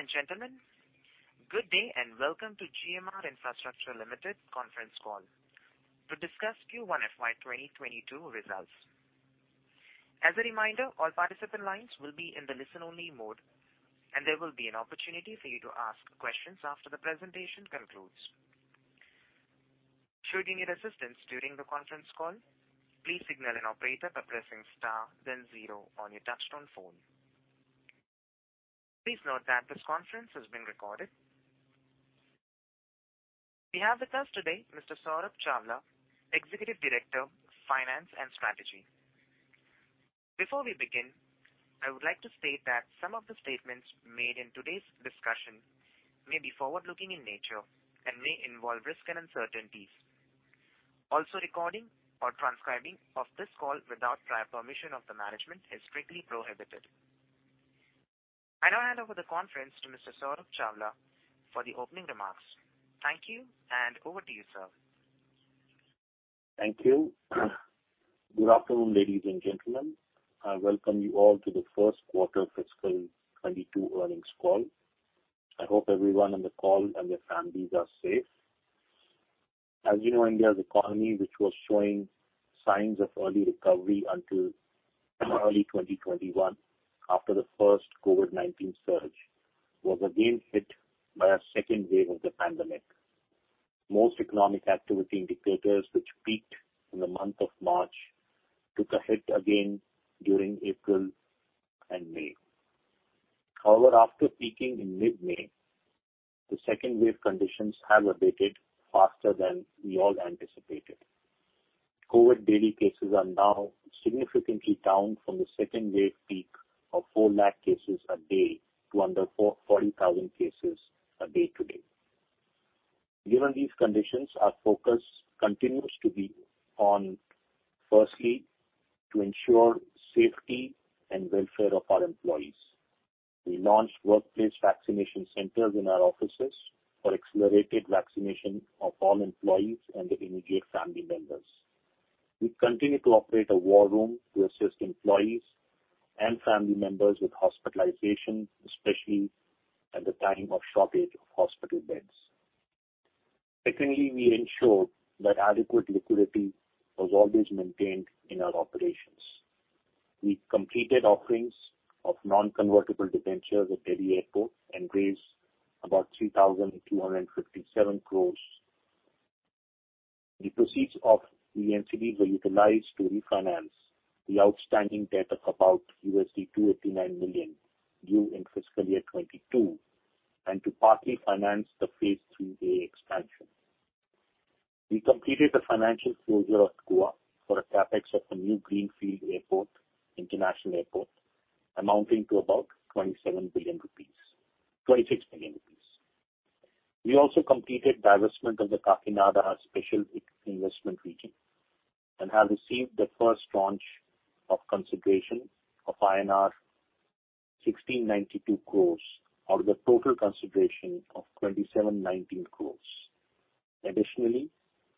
Ladies and gentlemen, good day and welcome to GMR Infrastructure Limited Conference Call to discuss Q1 FY 2022 Results. As a reminder, all participant lines will be in the listen only mode, and there will be an opportunity for you to ask questions after the presentation concludes. Should you need assistance during the conference call, please signal an operator by pressing star then zero on your touchtone phone. Please note that this conference is being recorded. We have with us today Mr. Saurabh Chawla, Executive Director of Finance and Strategy. Before we begin, I would like to state that some of the statements made in today's discussion may be forward-looking in nature and may involve risks and uncertainties. Recording or transcribing of this call without prior permission of the management is strictly prohibited. I now hand over the conference to Mr. Saurabh Chawla for the opening remarks. Thank you, and over to you, sir. Thank you. Good afternoon, ladies and gentlemen. I welcome you all to the first quarter fiscal 2022 earnings call. I hope everyone on the call and their families are safe. As you know, India's economy, which was showing signs of early recovery until early 2021, after the first COVID-19 surge, was again hit by a second wave of the pandemic. Most economic activity indicators which peaked in the month of March took a hit again during April and May. However, after peaking in mid-May, the second wave conditions have abated faster than we all anticipated. COVID daily cases are now significantly down from the second wave peak of 4 lakh cases a day to under 40,000 cases a day today. Given these conditions, our focus continues to be on, firstly, to ensure safety and welfare of our employees. We launched workplace vaccination centers in our offices for accelerated vaccination of all employees and their immediate family members. We continue to operate a war room to assist employees and family members with hospitalization, especially at the time of shortage of hospital beds. Secondly, we ensured that adequate liquidity was always maintained in our operations. We completed offerings of non-convertible debentures at Delhi Airport and raised about 3,257 crore. The proceeds of the NCDs were utilized to refinance the outstanding debt of about $289 million due in fiscal year 2022 and to partly finance the phase III-A expansion. We completed the financial closure of Goa for a CapEx of a new greenfield airport, international airport, amounting to about 27 billion rupees, 26 billion rupees. We also completed divestment of the Kakinada Special Investment Region and have received the first tranche of consideration of INR 1,692 crore out of the total consideration of 2,719 crore. Additionally,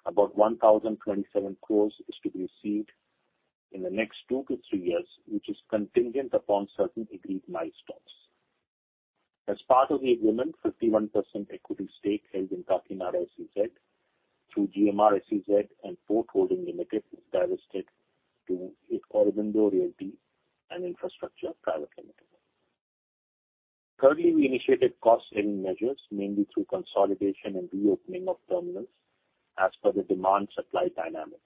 about 1,027 crore is to be received in the next two to three years, which is contingent upon certain agreed milestones. As part of the agreement, 51% equity stake held in Kakinada SEZ through GMR SEZ and Port Holdings Limited is divested to Aurobindo Realty and Infrastructure Private Limited. Thirdly, we initiated cost-saving measures, mainly through consolidation and reopening of terminals as per the demand-supply dynamics.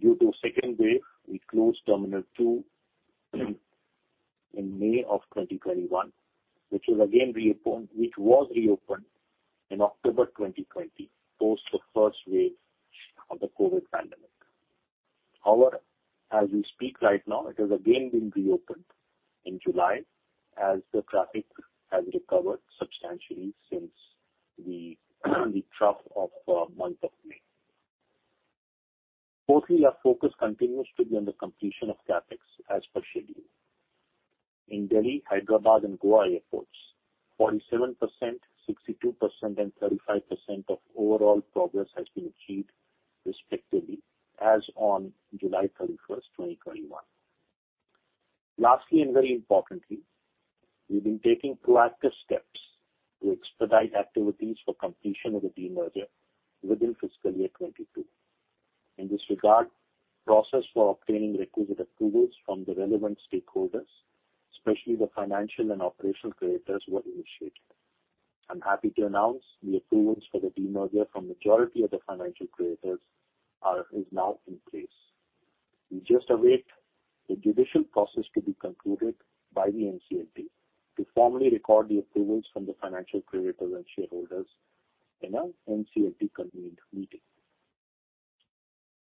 Due to second wave, we closed terminal two in May 2021, which was reopened in October 2020, post the first wave of the COVID-19. However, as we speak right now, it has again been reopened in July as the traffic has recovered substantially since the trough of month of May. Fourthly, our focus continues to be on the completion of CapEx as per schedule. In Delhi, Hyderabad, and Goa airports, 47%, 62%, and 35% of overall progress has been achieved respectively as on July 31st, 2021. Lastly, and very importantly, we've been taking proactive steps to expedite activities for completion of the demerger within fiscal year 2022. In this regard, process for obtaining requisite approvals from the relevant stakeholders, especially the financial and operational creditors, were initiated. I'm happy to announce the approvals for the demerger from majority of the financial creditors is now in place. We just await the judicial process to be concluded by the NCLT to formally record the approvals from the financial creditors and shareholders in a NCLT convened meeting.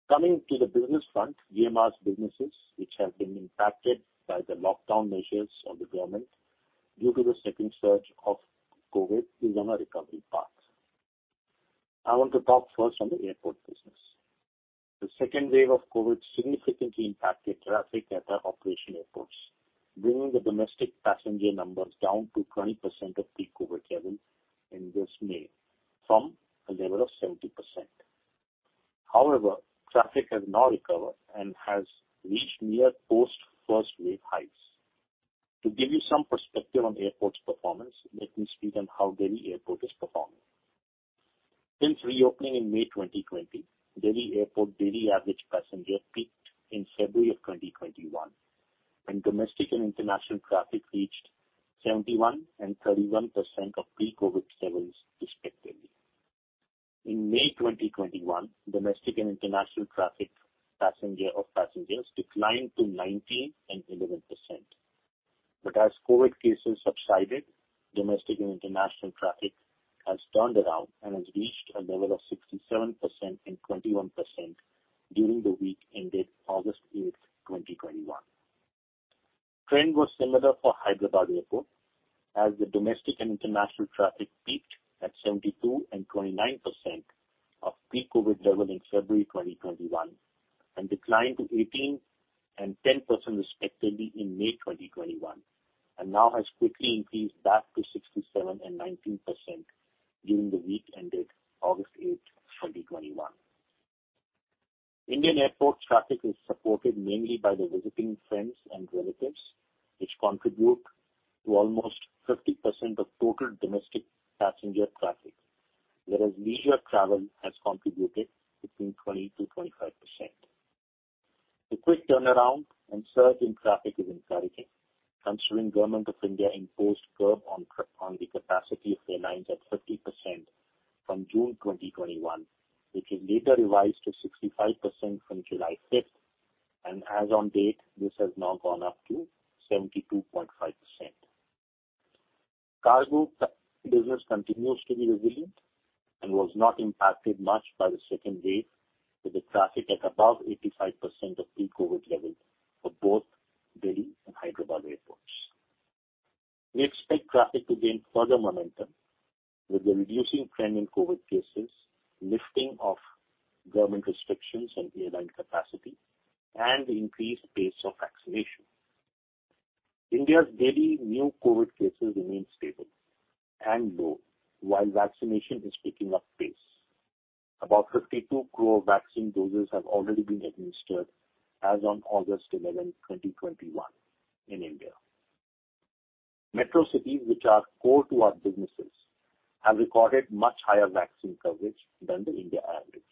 Coming to the business front, GMR's businesses, which have been impacted by the lockdown measures of the government due to the second surge of COVID, is on a recovery path. I want to talk first on the airport business. The second wave of COVID significantly impacted traffic at our operation airports, bringing the domestic passenger numbers down to 20% of peak COVID levels in this May from a level of 70%. However, traffic has now recovered and has reached near post-first wave heights. To give you some perspective on airports performance, let me speak on how Delhi Airport is performing. Since reopening in May 2020, Delhi Airport daily average passenger peaked in February of 2021, when domestic and international traffic reached 71% and 31% of pre-COVID levels respectively. In May 2021, domestic and international traffic of passengers declined to 19% and 11%. As COVID cases subsided, domestic and international traffic has turned around and has reached a level of 67% and 21% during the week ended August 8th, 2021. Trend was similar for Hyderabad Airport as the domestic and international traffic peaked at 72% and 29% of pre-COVID level in February 2021, and declined to 18% and 10% respectively in May 2021, and now has quickly increased back to 67% and 19% during the week ended August 8th, 2021. Indian Airport traffic is supported mainly by the visiting friends and relatives, which contribute to almost 50% of total domestic passenger traffic. Whereas leisure travel has contributed between 20%-25%. The quick turnaround and surge in traffic is encouraging considering Government of India imposed curb on the capacity of airlines at 50% from June 2021, which was later revised to 65% from July 5th, and as on date, this has now gone up to 72.5%. Cargo business continues to be resilient and was not impacted much by the second wave, with the traffic at above 85% of pre-COVID level for both Delhi and Hyderabad airports. We expect traffic to gain further momentum with the reducing trend in COVID cases, lifting of government restrictions on airline capacity, and the increased pace of vaccination. India's daily new COVID cases remain stable and low while vaccination is picking up pace. About 52 crore vaccine doses have already been administered as on August 11, 2021 in India. Metro cities, which are core to our businesses, have recorded much higher vaccine coverage than the India average.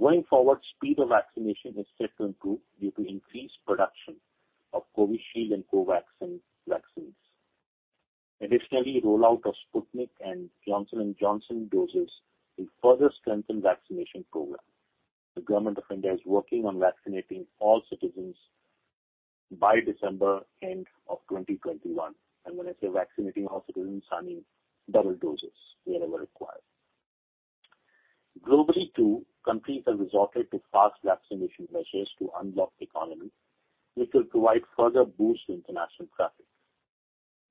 Going forward, speed of vaccination is set to improve due to increased production of COVISHIELD and COVAXIN vaccines. Additionally, rollout of Sputnik and Johnson & Johnson doses will further strengthen vaccination program. The Government of India is working on vaccinating all citizens by December end of 2021. When I say vaccinating all citizens, I mean double doses wherever required. Globally, too, countries have resorted to fast vaccination measures to unlock economy, which will provide further boost to international traffic.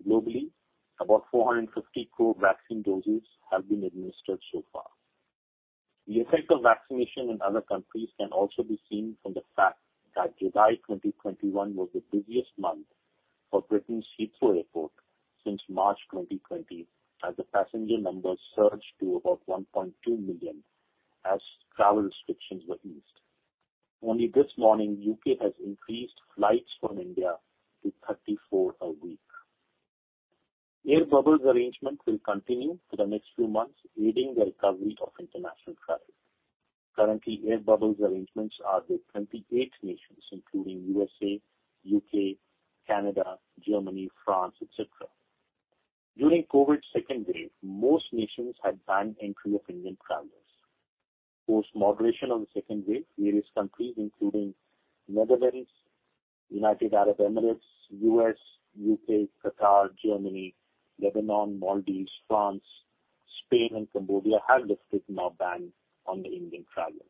Globally, about 450 crore vaccine doses have been administered so far. The effect of vaccination in other countries can also be seen from the fact that July 2021 was the busiest month for Britain's Heathrow Airport since March 2020, as the passenger numbers surged to about 1.2 million as travel restrictions were eased. Only this morning, U.K. has increased flights from India to 34 a week. Air bubbles arrangement will continue for the next few months, aiding the recovery of international traffic. Currently, air bubbles arrangements are with 28 nations, including U.S.A., U.K., Canada, Germany, France, et cetera. During COVID second wave, most nations had banned entry of Indian travelers. Post moderation of the second wave, various countries, including Netherlands, United Arab Emirates, U.S., U.K., Qatar, Germany, Lebanon, Maldives, France, Spain, and Cambodia, have lifted now ban on the Indian travelers.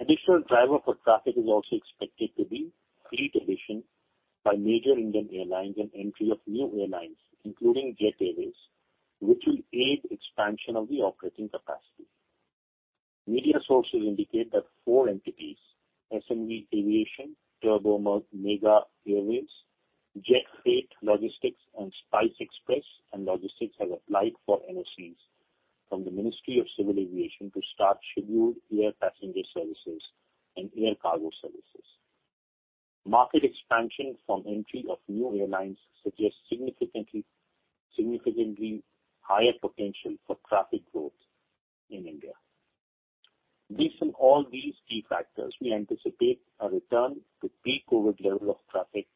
Additional driver for traffic is also expected to be fleet addition by major Indian airlines and entry of new airlines, including Jet Airways, which will aid expansion of the operating capacity. Media sources indicate that four entities, SMV Aviation, Turbo Megha Airways, Jet Freight Logistics, and SpiceXpress and Logistics, have applied for NOCs from the Ministry of Civil Aviation to start scheduled air passenger services and air cargo services. Market expansion from entry of new airlines suggests significantly higher potential for traffic growth in India. Based on all these key factors, we anticipate a return to pre-COVID level of traffic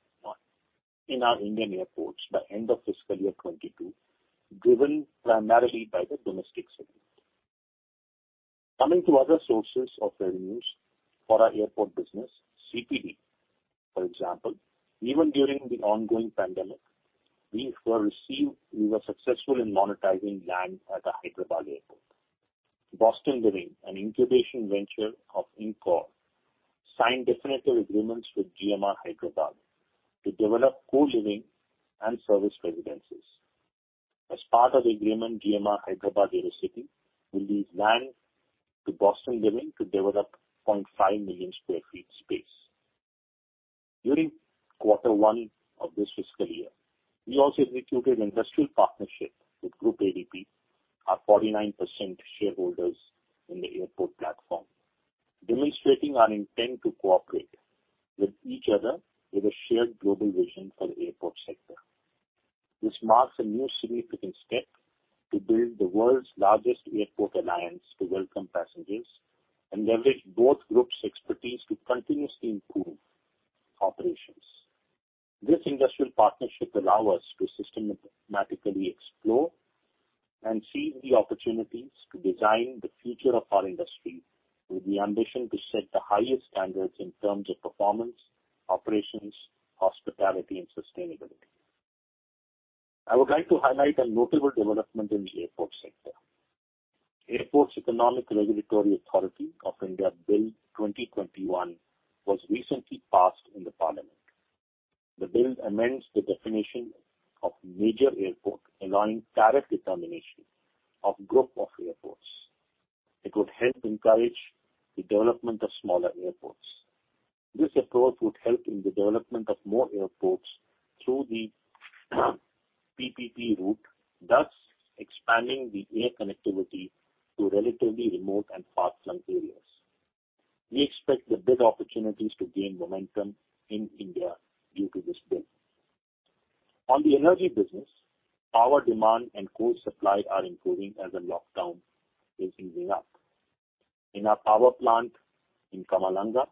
in our Indian airports by end of fiscal year 2022, driven primarily by the domestic segment. Coming to other sources of revenues for our airport business, CPD, for example, even during the ongoing pandemic, we were successful in monetizing land at the Hyderabad Airport. Boston Living, an incubation venture of INCOR, signed definitive agreements with GMR Hyderabad to develop co-living and serviced residences. As part of agreement, GMR Hyderabad AeroCity will lease land to Boston Living to develop 0.5 million sq ft space. During quarter one of this fiscal year, we also executed industrial partnership with Groupe ADP, our 49% shareholders in the airport platform, demonstrating our intent to cooperate with each other with a shared global vision for the airport sector. This marks a new significant step to build the world's largest airport alliance to welcome passengers and leverage both groups' expertise to continuously improve operations. This industrial partnership allow us to systematically explore and seize the opportunities to design the future of our industry with the ambition to set the highest standards in terms of performance, operations, hospitality, and sustainability. I would like to highlight a notable development in the airport sector. Airports Economic Regulatory Authority of India Bill 2021 was recently passed in the Parliament. The bill amends the definition of major airport allowing tariff determination of group of airports. It would help encourage the development of smaller airports. This approach would help in the development of more airports through the PPP route, thus expanding the air connectivity to relatively remote and far-flung areas. We expect the bid opportunities to gain momentum in India due to this bill. On the Energy Business, power demand and coal supply are improving as the lockdown is easing up. In our power plant in Kamalanga,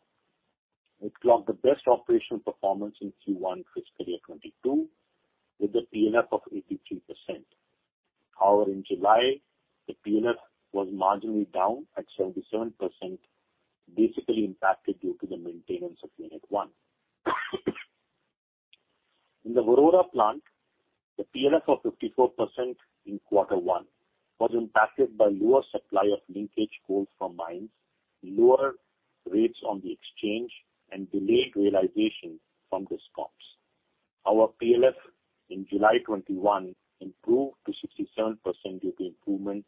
it clocked the best operational performance in Q1 fiscal year 2022 with a PLF of 83%. However, in July, the PLF was marginally down at 77%, basically impacted due to the maintenance of unit one. In the Warora plant, the PLF of 54% in quarter one was impacted by lower supply of linkage coal from mines, lower rates on the exchange, and delayed realization from Discoms. Our PLF in July 2021 improved to 67% due to improvement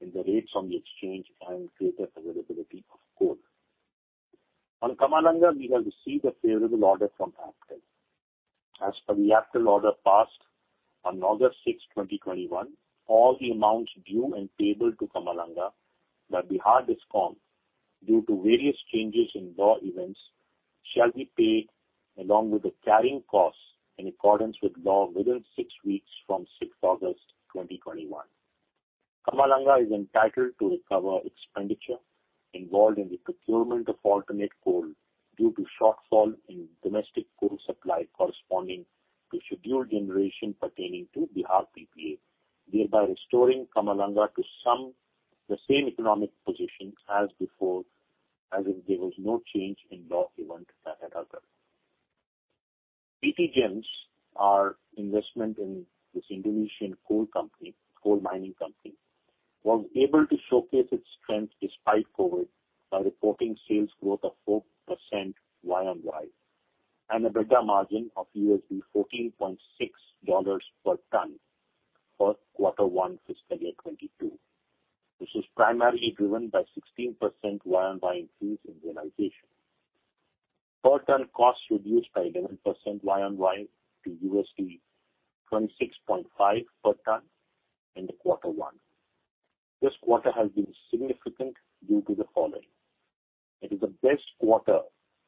in the rates on the exchange and greater availability of coal. On Kamalanga, we have received a favorable order from APTEL. As per the APTEL order passed on August 6th, 2021, all the amounts due and payable to Kamalanga by Bihar Discom due to various changes in law events shall be paid along with the carrying costs in accordance with law within six weeks from 6th August, 2021. Kamalanga is entitled to recover expenditure involved in the procurement of alternate coal due to shortfall in domestic coal supply corresponding to scheduled generation pertaining to Bihar PPA, thereby restoring Kamalanga to the same economic position as before, as if there was no change in law event had occurred. PT GEMS, our investment in this Indonesian coal mining company, was able to showcase its strength despite COVID by reporting sales growth of 4% YoY and EBITDA margin of $14.6 per ton for quarter one fiscal year 2022. This is primarily driven by 16% YoY increase in realization. Per ton cost reduced by 11% YoY to $26.5 per ton in the quarter one. This quarter has been significant due to the following. It is the best quarter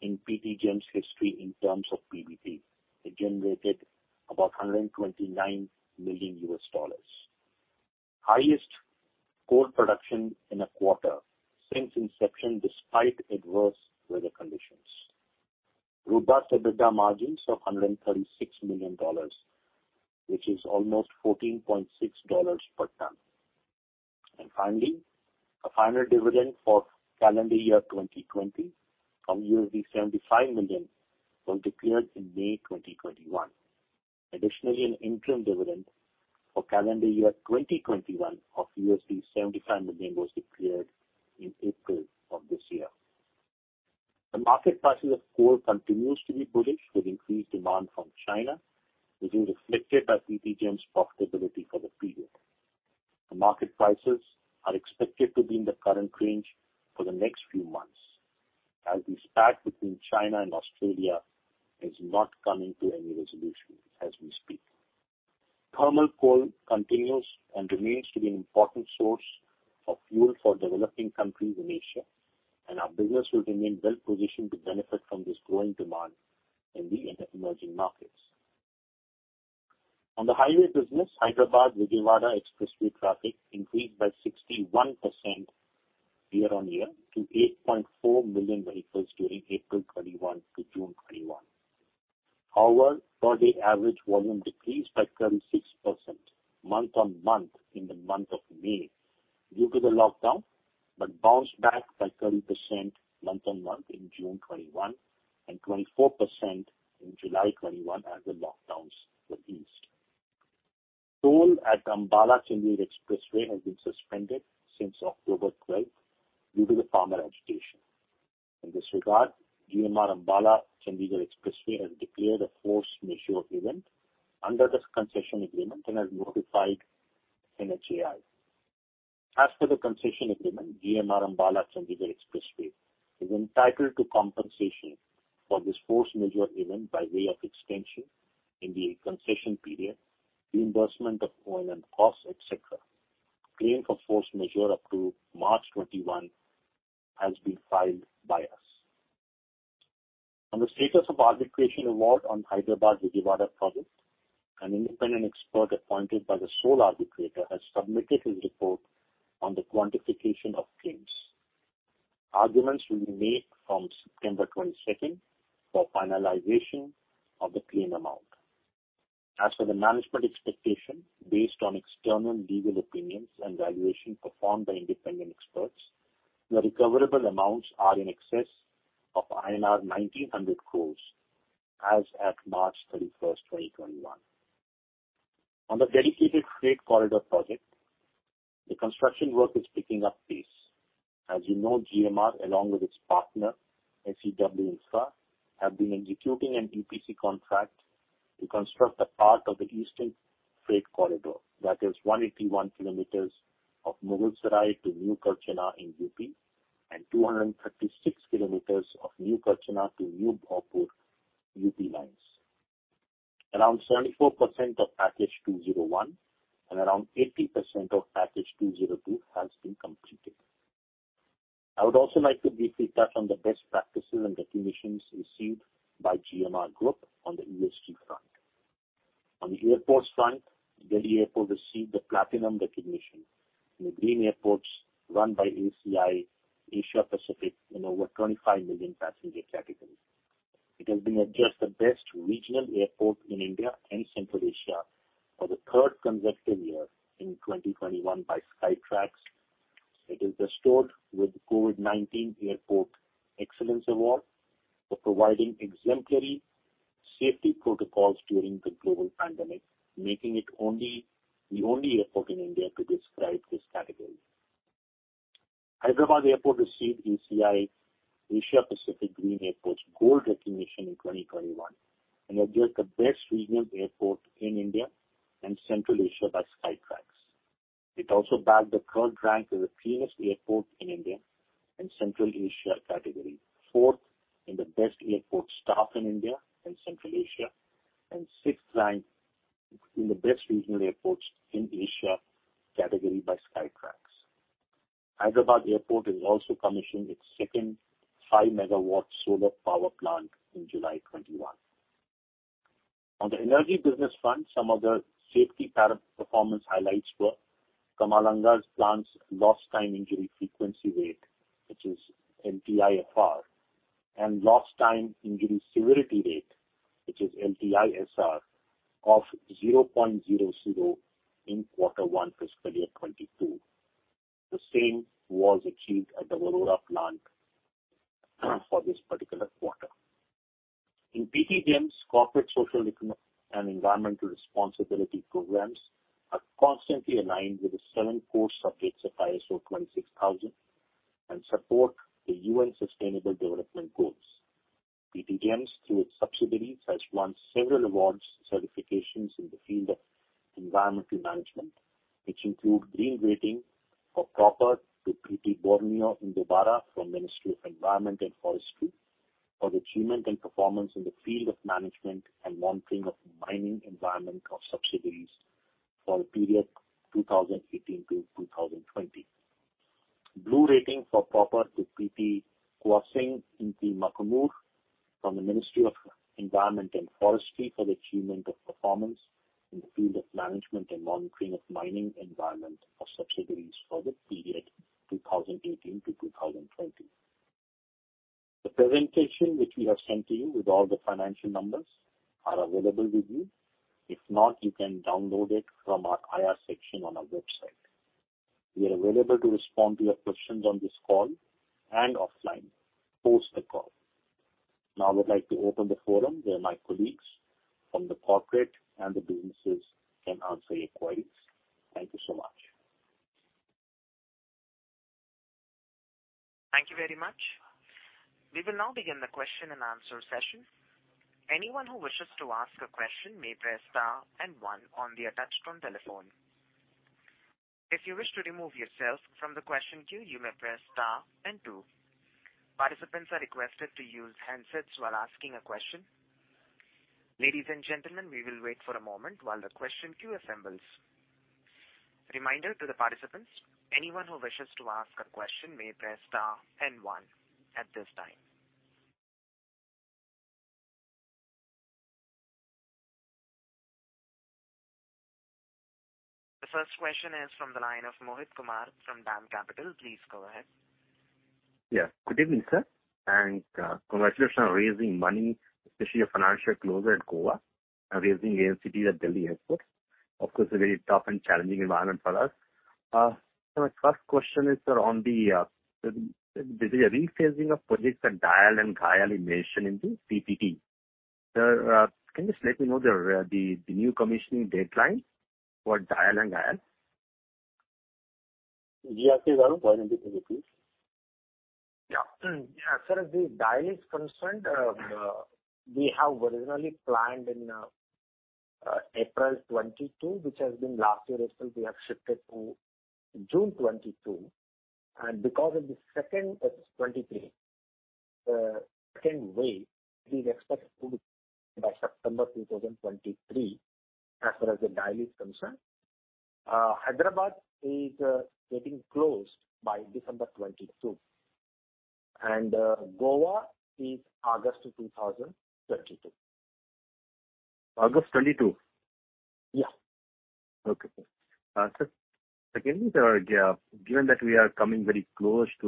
in PT GEMS history in terms of PBT. It generated about $129 million. Highest coal production in a quarter since inception, despite adverse weather conditions. Robust EBITDA margins of $136 million, which is almost $14.6 per ton. Finally, a final dividend for calendar year 2020 of $75 million was declared in May 2021. Additionally, an interim dividend for calendar year 2021 of $75 million was declared in April of this year. The market prices of coal continues to be bullish with increased demand from China, which is reflected by PT GEMS profitability for the period. The market prices are expected to be in the current range for the next few months, as the spat between China and Australia is not coming to any resolution as we speak. Thermal coal continues and remains to be an important source of fuel for developing countries in Asia, and our business will remain well-positioned to benefit from this growing demand in the emerging markets. On the highway business, Hyderabad Vijayawada Expressway traffic increased by 61% year-on-year to 8.4 million vehicles during April 2021 to June 2021. However, per day average volume decreased by 36% month-on-month in the month of May due to the lockdown, but bounced back by 30% month-on-month in June 2021 and 24% in July 2021 as the lockdowns were eased. Toll at Ambala-Chandigarh Expressway has been suspended since October 12th due to the farmer agitation. In this regard, GMR Ambala Chandigarh Expressway has declared a force majeure event under the concession agreement and has notified NHAI. As per the concession agreement, GMR Ambala Chandigarh Expressway is entitled to compensation for this force majeure event by way of extension in the concession period, reimbursement of O&M costs, et cetera. Claim for force majeure up to March 2021 has been filed by us. On the status of arbitration award on Hyderabad-Vijayawada project, an independent expert appointed by the sole arbitrator has submitted his report on the quantification of claims. Arguments will be made from September 22nd for finalization of the claim amount. As for the management expectation, based on external legal opinions and valuation performed by independent experts, the recoverable amounts are in excess of INR 1,900 crore as at March 31st, 2021. On the dedicated freight corridor project, the construction work is picking up pace. As you know, GMR, along with its partner, SEW Infra, have been executing an EPC contract to construct a part of the eastern freight corridor, that is 181 km of Mughalsarai to New Karchana in U.P., and 236 km of New Karchana to New Bhaupur U.P. lines. Around 74% of package 201 and around 80% of package 202 has been completed. I would also like to briefly touch on the best practices and recognitions received by GMR Group on the ESG front. On the airports front, Delhi Airport received the Platinum Recognition in the Green Airports run by ACI Asia Pacific in over 25 million passenger category. It has been adjudged the best regional airport in India and Central Asia for the third consecutive year in 2021 by Skytrax. It is bestowed with the COVID-19 Airport Excellence Award for providing exemplary safety protocols during the global pandemic, making it the only airport in India to be described this category. Hyderabad Airport received ACI Asia Pacific Green Airports Gold Recognition in 2021 and adjudged the best regional airport in India and Central Asia by Skytrax. It also bagged the third rank as the cleanest airport in India and Central Asia category, fourth in the best airport staff in India and Central Asia, and sixth rank in the best regional airports in Asia category by Skytrax. Hyderabad Airport has also commissioned its second 5-MW solar power plant in July 2021. On the Energy Business front, some of the safety performance highlights were Kamalanga plant's Lost Time Injury Frequency Rate, which is LTIFR, and Lost Time Injury Severity Rate, which is LTISR, of 0.00 in quarter one fiscal year 2022. The same was achieved at the Warora plant for this particular quarter. In PT GEMS, corporate social and environmental responsibility programs are constantly aligned with the seven core subjects of ISO 26,000 and support the UN Sustainable Development Goals. PT GEMS, through its subsidiaries, has won several awards certifications in the field of environmental management, which include green rating for PROPER to PT Borneo Indobara from Ministry of Environment and Forestry for achievement and performance in the field of management and monitoring of mining environment of subsidiaries for the period 2018 to 2020. Blue rating for PROPER to PT Kuansing Inti Makmur from the Ministry of Environment and Forestry for the achievement of performance in the field of management and monitoring of mining environment of subsidiaries for the period 2018 to 2020. The presentation which we have sent to you with all the financial numbers are available with you. If not, you can download it from our IR section on our website. We are available to respond to your questions on this call and offline, post the call. Now I would like to open the forum where my colleagues from the corporate and the businesses can answer your queries. Thank you so much. Thank you very much. We will now begin the question and answer session. Anyone who wishes to ask a question may press star and one on the attached phone telephone. If you wish to remove yourself from the question queue, you may press star and two. Participants are requested to use handsets while asking a question. Ladies and gentlemen, we will wait for a moment while the question queue assembles. Reminder to the participants, anyone who wishes to ask a question may press star and one at this time. The first question is from the line of Mohit Kumar from DAM Capital. Please go ahead. Yeah. Good evening, sir, and congratulations on raising money, especially your financial close at Goa and raising NCDs at Delhi Airport. Of course, a very tough and challenging environment for us. My first question is, sir, on the rephasing of projects at DIAL and GHIAL you mentioned in the PPT. Sir, can you just let me know the new commissioning deadline for DIAL and GHIAL? G R K Babu, go ahead and take it, please. Yeah. As far as the DIAL is concerned, we have originally planned in April 2022, which has been last year itself we have shifted to June 2022. Because of the second of 2023 can, we expect to be by September 2023, as far as the DIAL is concerned. Hyderabad is getting closed by December 2022. Goa is August 2032. August 2022? Yeah. Okay. Sir, again, given that we are coming very close to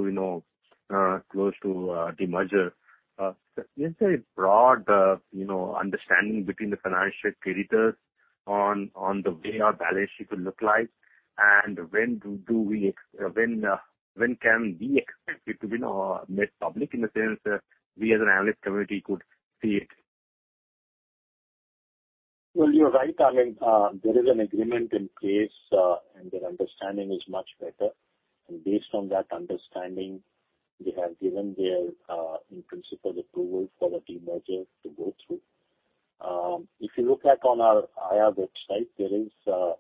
demerger, is there a broad understanding between the financial creditors on the way our balance sheet will look like, and when can we expect it to be made public, in the sense we as an analyst community could see it? Well, you're right, I mean, there is an agreement in place, and their understanding is much better. Based on that understanding, they have given their in-principle approval for the demerger to go through. If you look at on our IR website, there is a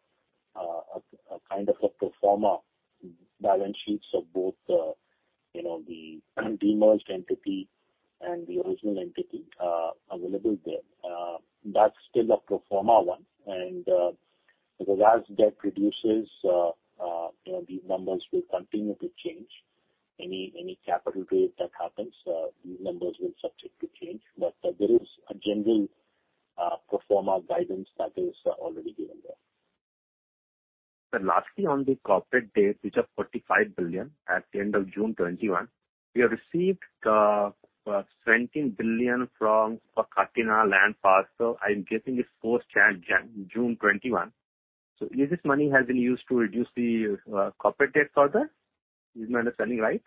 kind of a pro forma balance sheets of both the demerged entity and the original entity available there. That's still a pro forma one. Because as debt reduces, these numbers will continue to change. Any capital raise that happens, these numbers will subject to change. There is a general pro forma guidance that is already given there. Sir, lastly, on the corporate debt, which was $45 billion at the end of June 2021, we have received $17 billion from Kakinada land parcel. I'm guessing it's post June 2021. Has this money been used to reduce the corporate debt further? Is my understanding right?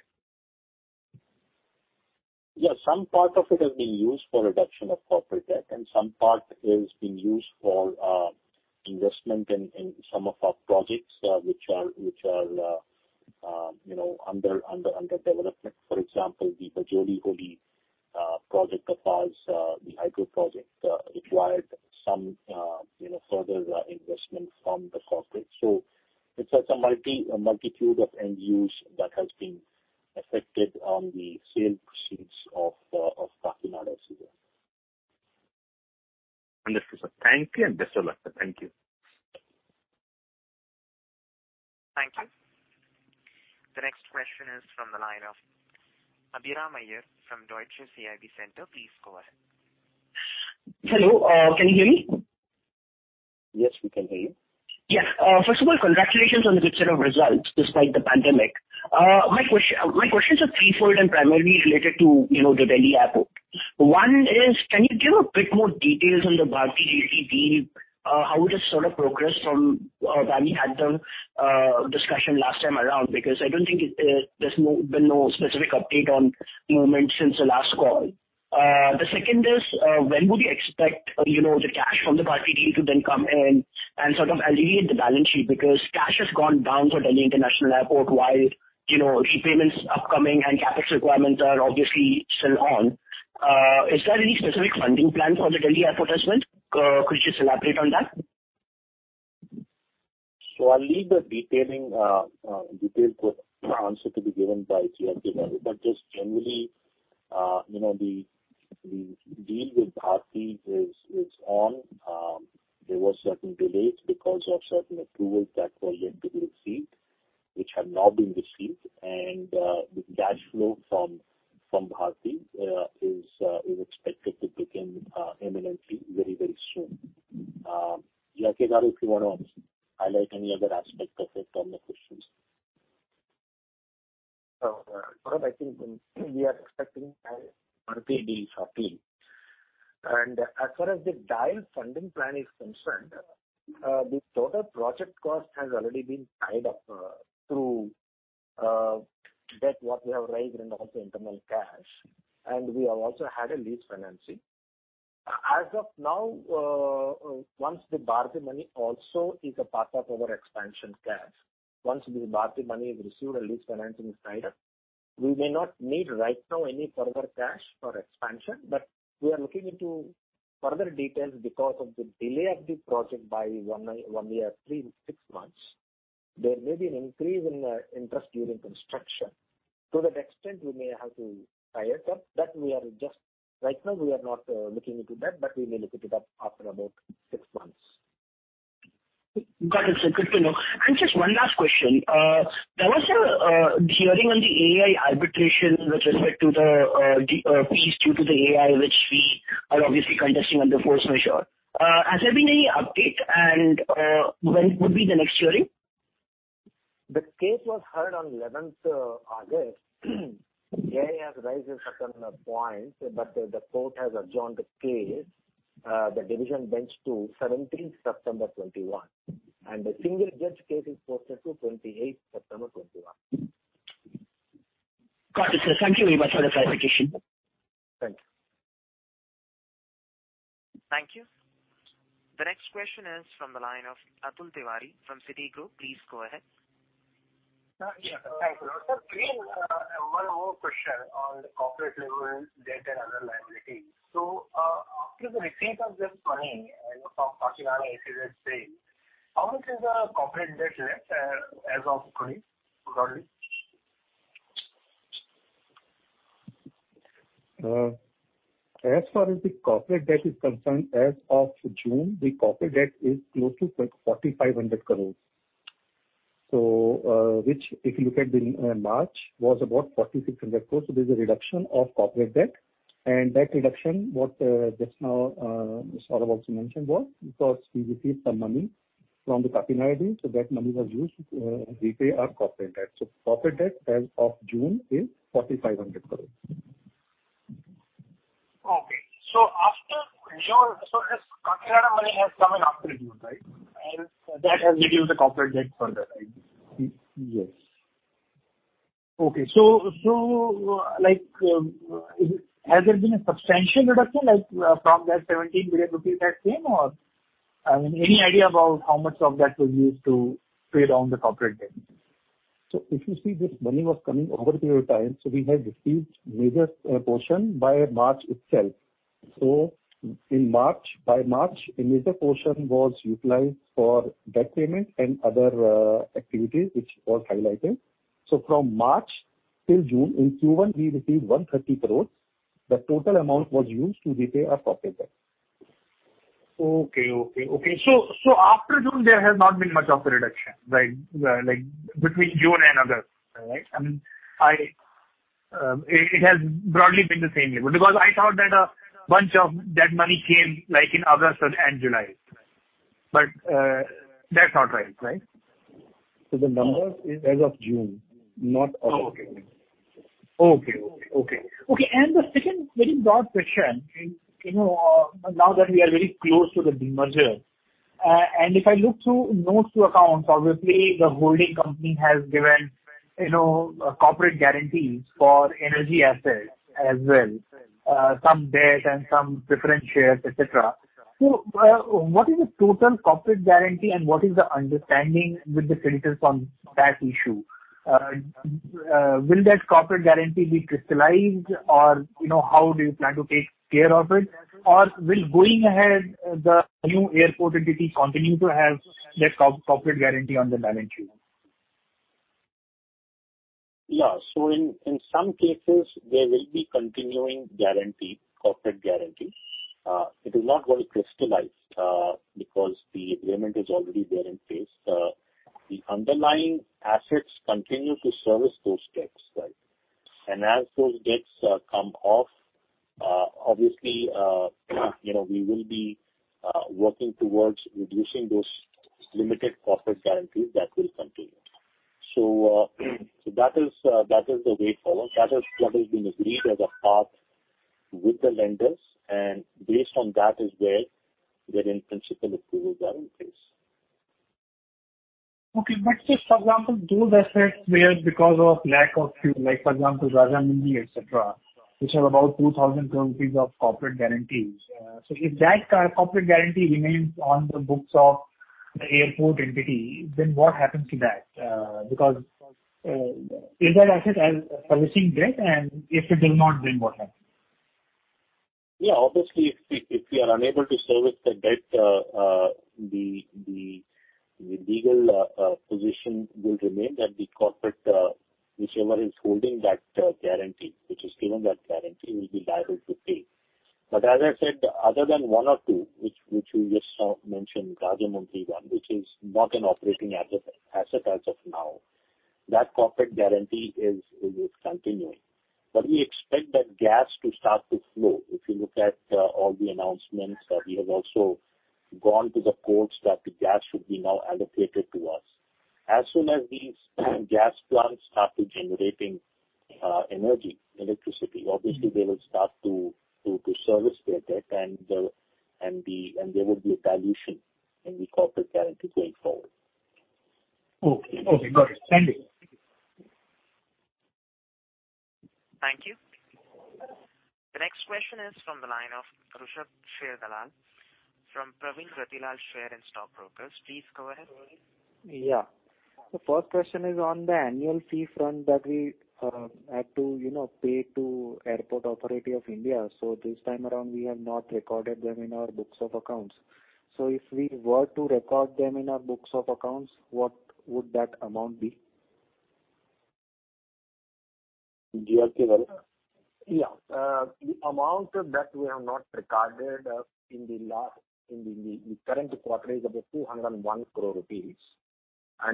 Yes, some part of it has been used for reduction of corporate debt, and some part has been used for investment in some of our projects which are under development. For example, the Bajoli Holi project of ours, the hydro project, required some further investment from the corporate. It's a multitude of end use that has been affected on the sale proceeds of Kakinada SEZ. Understood, sir. Thank you, and best of luck, sir. Thank you. Thank you. The next question is from the line of Abhiram Iyer from Deutsche CIB Centre. Please go ahead. Hello, can you hear me? Yes, we can hear you. First of all, congratulations on the good set of results despite the pandemic. My questions are three-fold, primarily related to the Delhi airport. One is, can you give a bit more details on the Bharti [Realty] deal, how it has sort of progressed from when we had the discussion last time around. I don't think there's been no specific update on movement since the last call. The second is, when would we expect the cash from the Bharti [Realty] deal to then come in and sort of alleviate the balance sheet? Cash has gone down for Delhi International Airport while repayments upcoming and CapEx requirements are obviously still on. Is there any specific funding plan for the Delhi airport as well? Could you just elaborate on that? I'll leave the detailed answer to be given by G R K Babu, but just generally the deal with Bharti is on. There was certain delays because of certain approvals that were yet to be received, which have now been received, and the cash flow from Bharti is expected to kick in imminently very, very soon. G R K Babu, if you want to highlight any other aspect of it on the questions. I think we are expecting Bharti deal shortly. As far as the DIAL funding plan is concerned, the total project cost has already been tied up through debt what we have raised and also internal cash, and we have also had a lease financing. As of now, once the Bharti money also is a part of our expansion cash, once the Bharti money is received and lease financing is tied up, we may not need right now any further cash for expansion. We are looking into further details because of the delay of the project by one year, three, six months. There may be an increase in interest during construction. To that extent, we may have to tie it up. Right now we are not looking into that, but we may look it up after about six months. Got it, sir. Good to know. Just one last question. There was a hearing on the AAI arbitration with respect to the fees due to the AAI, which we are obviously contesting on the force majeure. Has there been any update, and when would be the next hearing? The case was heard on 11th August. AAI has raised certain points, but the court has adjourned the case, the division bench to 17th September 2021, and the single judge case is posted to 28th September 2021. Got it, sir. Thank you very much for the clarification. Thanks. On the line of Atul Tiwari from Citigroup. Please go ahead. Thanks a lot, sir. One more question on the corporate level debt and other liabilities. After the receipt of this money from Kakinada SEZ sale, how much is our corporate debt left as of, broadly? As far as the corporate debt is concerned, as of June, the corporate debt is close to 4,500 crore. If you look at in March, was about 4,600 crore. There's a reduction of corporate debt. That reduction, what just now Saurabh also mentioned was because we received some money from the Kakinada, that money was used to repay our corporate debt. Corporate debt as of June is 4,500 crore. Okay. This Kakinada money has come in after June, right? That has reduced the corporate debt further, right? Yes. Okay. Has there been a substantial reduction from that 17 billion rupees that came? Any idea about how much of that was used to pay down the corporate debt? If you see this money was coming over a period of time, we had received major portion by March itself. By March, a major portion was utilized for debt payment and other activities, which was highlighted. From March till June, in Q1 we received 130 crore. The total amount was used to repay our corporate debt. Okay. After June, there has not been much of a reduction, right? Like between June and August. Right? It has broadly been the same level, because I thought that a bunch of that money came in August and July. That's not right. Right? The numbers is as of June, not August. Okay. The second very broad question is, now that we are very close to the demerger, and if I look through notes to accounts, obviously the holding company has given corporate guarantees for energy assets as well, some debt and some different shares, et cetera. What is the total corporate guarantee and what is the understanding with the lenders on that issue? Will that corporate guarantee be crystallized, or how do you plan to take care of it? Will going ahead, the new airport entity continue to have that corporate guarantee on the balance sheet? Yeah. In some cases there will be continuing corporate guarantee. It is not going to crystallize because the agreement is already there in place. The underlying assets continue to service those debts, right. As those debts come off, obviously, we will be working towards reducing those limited corporate guarantees that will continue. That is the way forward. That is what has been agreed as a path with the lenders, and based on that is where in principle approvals are in place. Just for example, those assets where because of lack of fuel, like for example Rajahmundry, et cetera, which have about 2,000 crore rupees of corporate guarantees. If that corporate guarantee remains on the books of the airport entity, then what happens to that? Is that asset servicing debt? If it is not, then what happens? Obviously, if we are unable to service the debt, the legal position will remain that the corporate, whichever is holding that guarantee, which is given that guarantee, will be liable to pay. As I said, other than one or two, which we just now mentioned, Rajahmundry one, which is not an operating asset as of now. That corporate guarantee is continuing. We expect that gas to start to flow. If you look at all the announcements, we have also gone to the courts that the gas should be now allocated to us. As soon as these gas plants start generating energy, electricity, obviously they will start to service their debt and there will be a dilution in the corporate guarantee going forward. Okay, got it. Thank you. Thank you. The next question is from the line of Rushabh Sharedalal from Pravin Ratilal Share and Stock Brokers. Please go ahead. Yeah. The first question is on the annual fee front that we had to pay to Airports Authority of India. This time around, we have not recorded them in our books of accounts. If we were to record them in our books of accounts, what would that amount be? G R K, right? Yeah. The amount that we have not recorded in the current quarter is about 201 crore rupees.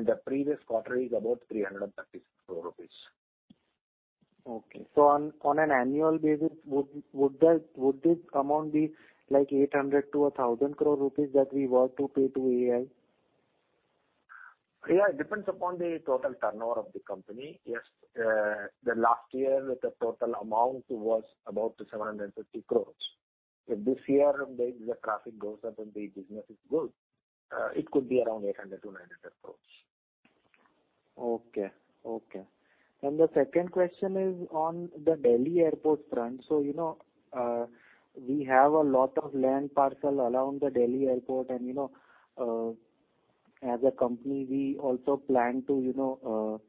The previous quarter is about 336 crore rupees. Okay. On an annual basis, would this amount be like 800 crore-1,000 crore rupees that we were to pay to AAI? Yeah, it depends upon the total turnover of the company. Yes. The last year the total amount was about 750 crore. If this year the traffic goes up and the business is good, it could be around 800 crore-900 crore. The second question is on the Delhi Airport front. We have a lot of land parcel around the Delhi Airport, and as a company, we also plan to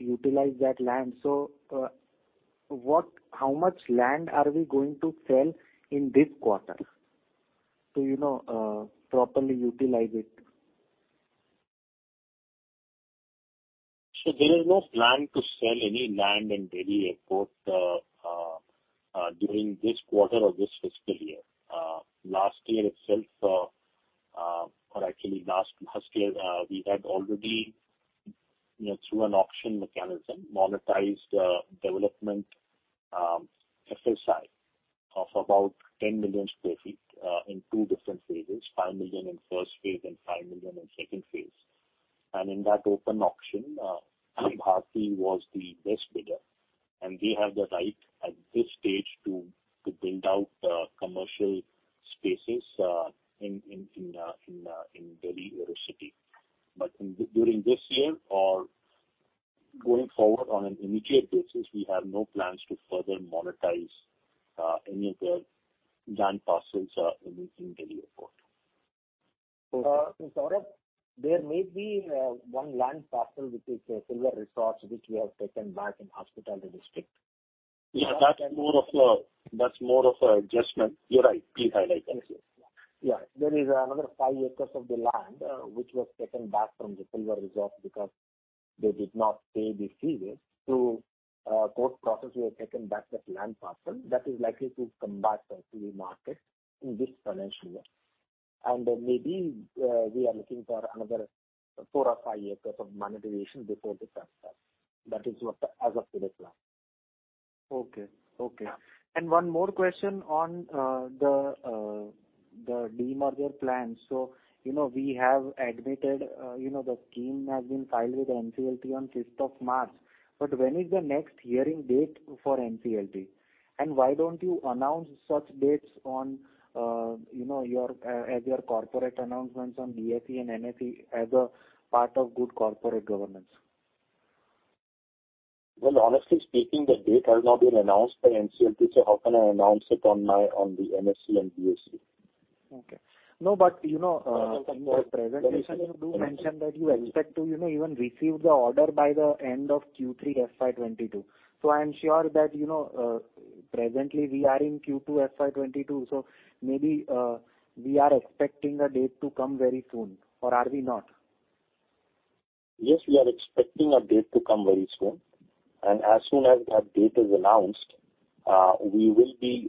utilize that land. How much land are we going to sell in this quarter to properly utilize it? There is no plan to sell any land in Delhi Airport during this quarter or this fiscal year. Last year itself or actually last fiscal year, we had already, through an auction mechanism, monetized development FSI of about 10 million sq ft in two different phases, 5 million in first phase and 5 million in second phase. In that open auction, Bharti was the best bidder. They have the right at this stage to build out commercial spaces in Delhi Aerocity. During this year or going forward on an immediate basis, we have no plans to further monetize any of the land parcels that we keep in Delhi Airport. There may be one land parcel, which is Silver Resorts, which we have taken back in hospitality district. Yeah, that's more of a adjustment. You're right. Please highlight that. Yes. There is another 5 acres of the land, which was taken back from the Silver Resorts because they did not pay the fees. Through a court process, we have taken back that land parcel. That is likely to come back to the market in this financial year. Maybe, we are looking for another 4 or 5 acres of monetization before the. That is what as of today's plan. Okay. One more question on the demerger plan. We have admitted, the scheme has been filed with NCLT on 5th of March, but when is the next hearing date for NCLT? Why don't you announce such dates as your corporate announcements on BSE and NSE as a part of good corporate governance? Honestly speaking, the date has not been announced by NCLT, so how can I announce it on the NSE and BSE? Okay. No, but you know— I was just asking. in your presentation, you do mention that you expect to even receive the order by the end of Q3 FY 2022. I am sure that, presently we are in Q2 FY 2022, so maybe we are expecting a date to come very soon, or are we not? Yes, we are expecting a date to come very soon. As soon as that date is announced, we will be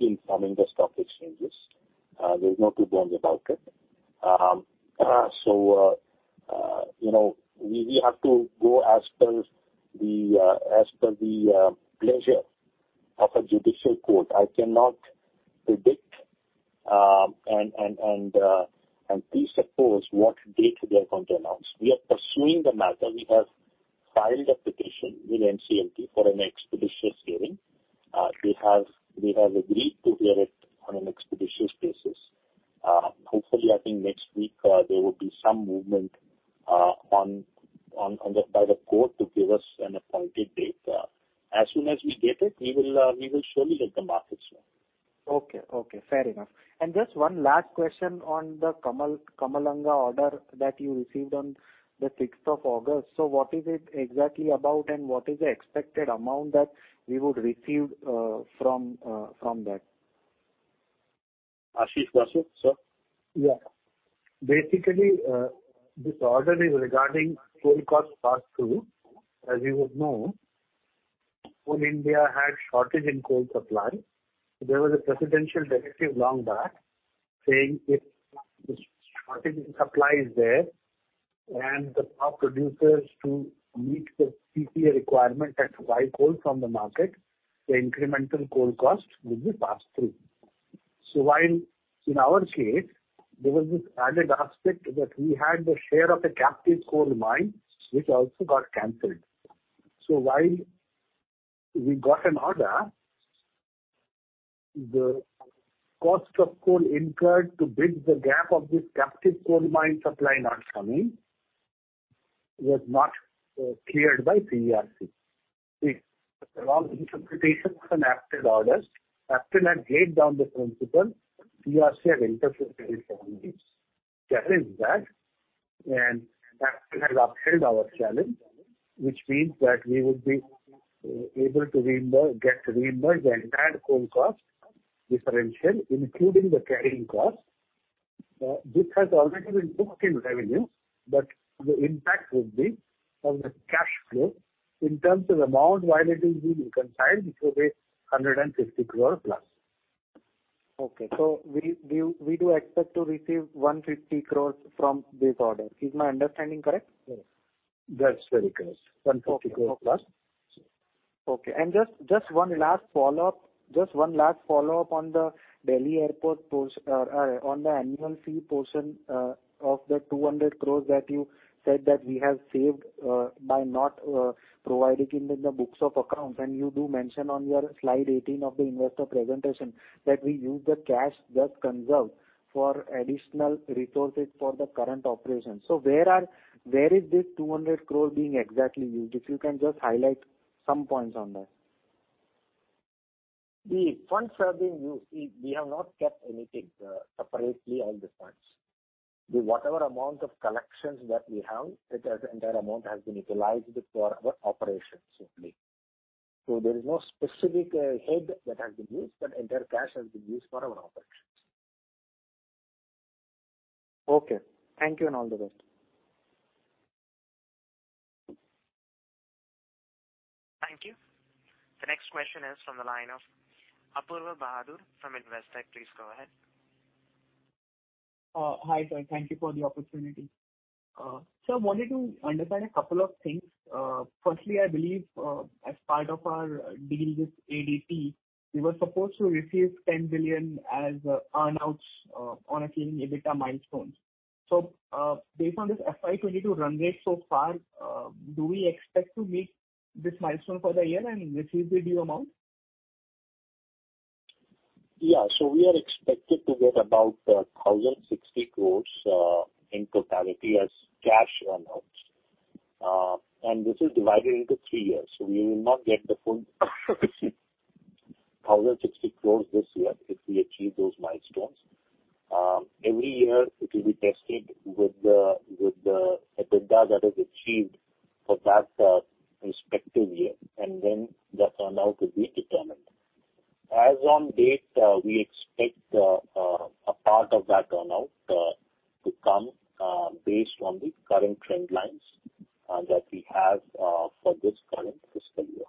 informing the stock exchanges. There is no two about it. We have to go as per the pleasure of a judicial court. I cannot predict and presuppose what date they are going to announce. We are pursuing the matter. We have filed application with NCLT for an expeditious hearing. They have agreed to hear it on an expeditious basis. Hopefully, I think next week, there will be some movement by the court to give us an appointed date. As soon as we get it, we will surely let the markets know. Okay. Fair enough. Just one last question on the Kamalanga order that you received on the 6th of August. What is it exactly about, and what is the expected amount that we would receive from that? Ashish, do you want to say it, sir? Yeah. Basically, this order is regarding full cost pass through. As you would know, whole India had shortage in coal supply. There was a presidential directive long back saying if shortage in supply is there and the power producers to meet the PPA requirement have to buy coal from the market, the incremental coal cost will be passed through. While in our case, there was this added aspect that we had the share of a captive coal mine, which also got canceled. While we got an order, the cost of coal incurred to bridge the gap of this captive coal mine supply not coming was not cleared by CERC. It's a interpretation of an APTEL order. APTEL had laid down the principle, CERC. We challenged that. APTEL has upheld our challenge, which means that we would be able to get reimbursed the entire coal cost differential, including the carrying cost. This has already been booked in revenue. The impact would be on the cash flow. In terms of amount, while it is being reconciled, it will be 150 crore+. Okay. We do expect to receive 150 crore from this order. Is my understanding correct? Yes. That's very correct. 150 crore+. Okay. Just one last follow-up on the Delhi airport. On the annual fee portion of the 200 crore that you said that we have saved by not providing in the books of accounts. You do mention on your slide 18 of the investor presentation that we use the cash thus conserved for additional resources for the current operation. Where is this 200 crore being exactly used? If you can just highlight some points on that. The funds are being used. We have not kept anything separately, all the funds. Whatever amount of collections that we have, the entire amount has been utilized for our operations only. There is no specific head that has been used, but entire cash has been used for our operations. Okay. Thank you, and all the best. Thank you. The next question is from the line of Apoorva Bahadur from Investec. Please go ahead. Hi. Thank you for the opportunity. Sir, wanted to understand a couple of things. Firstly, I believe, as part of our deal with ADP, we were supposed to receive 10 billion as earn-outs on achieving EBITDA milestones. Based on this FY 2022 run rate so far, do we expect to meet this milestone for the year and receive the due amount? Yeah. We are expected to get about 1,060 crore in totality as cash run-outs. This is divided into three years. We will not get the full 1,060 crore this year if we achieve those milestones. Every year it will be tested with the EBITDA that is achieved for that respective year, and then the earn-out will be determined. As on date, we expect a part of that earn-out to come based on the current trend lines that we have for this current fiscal year.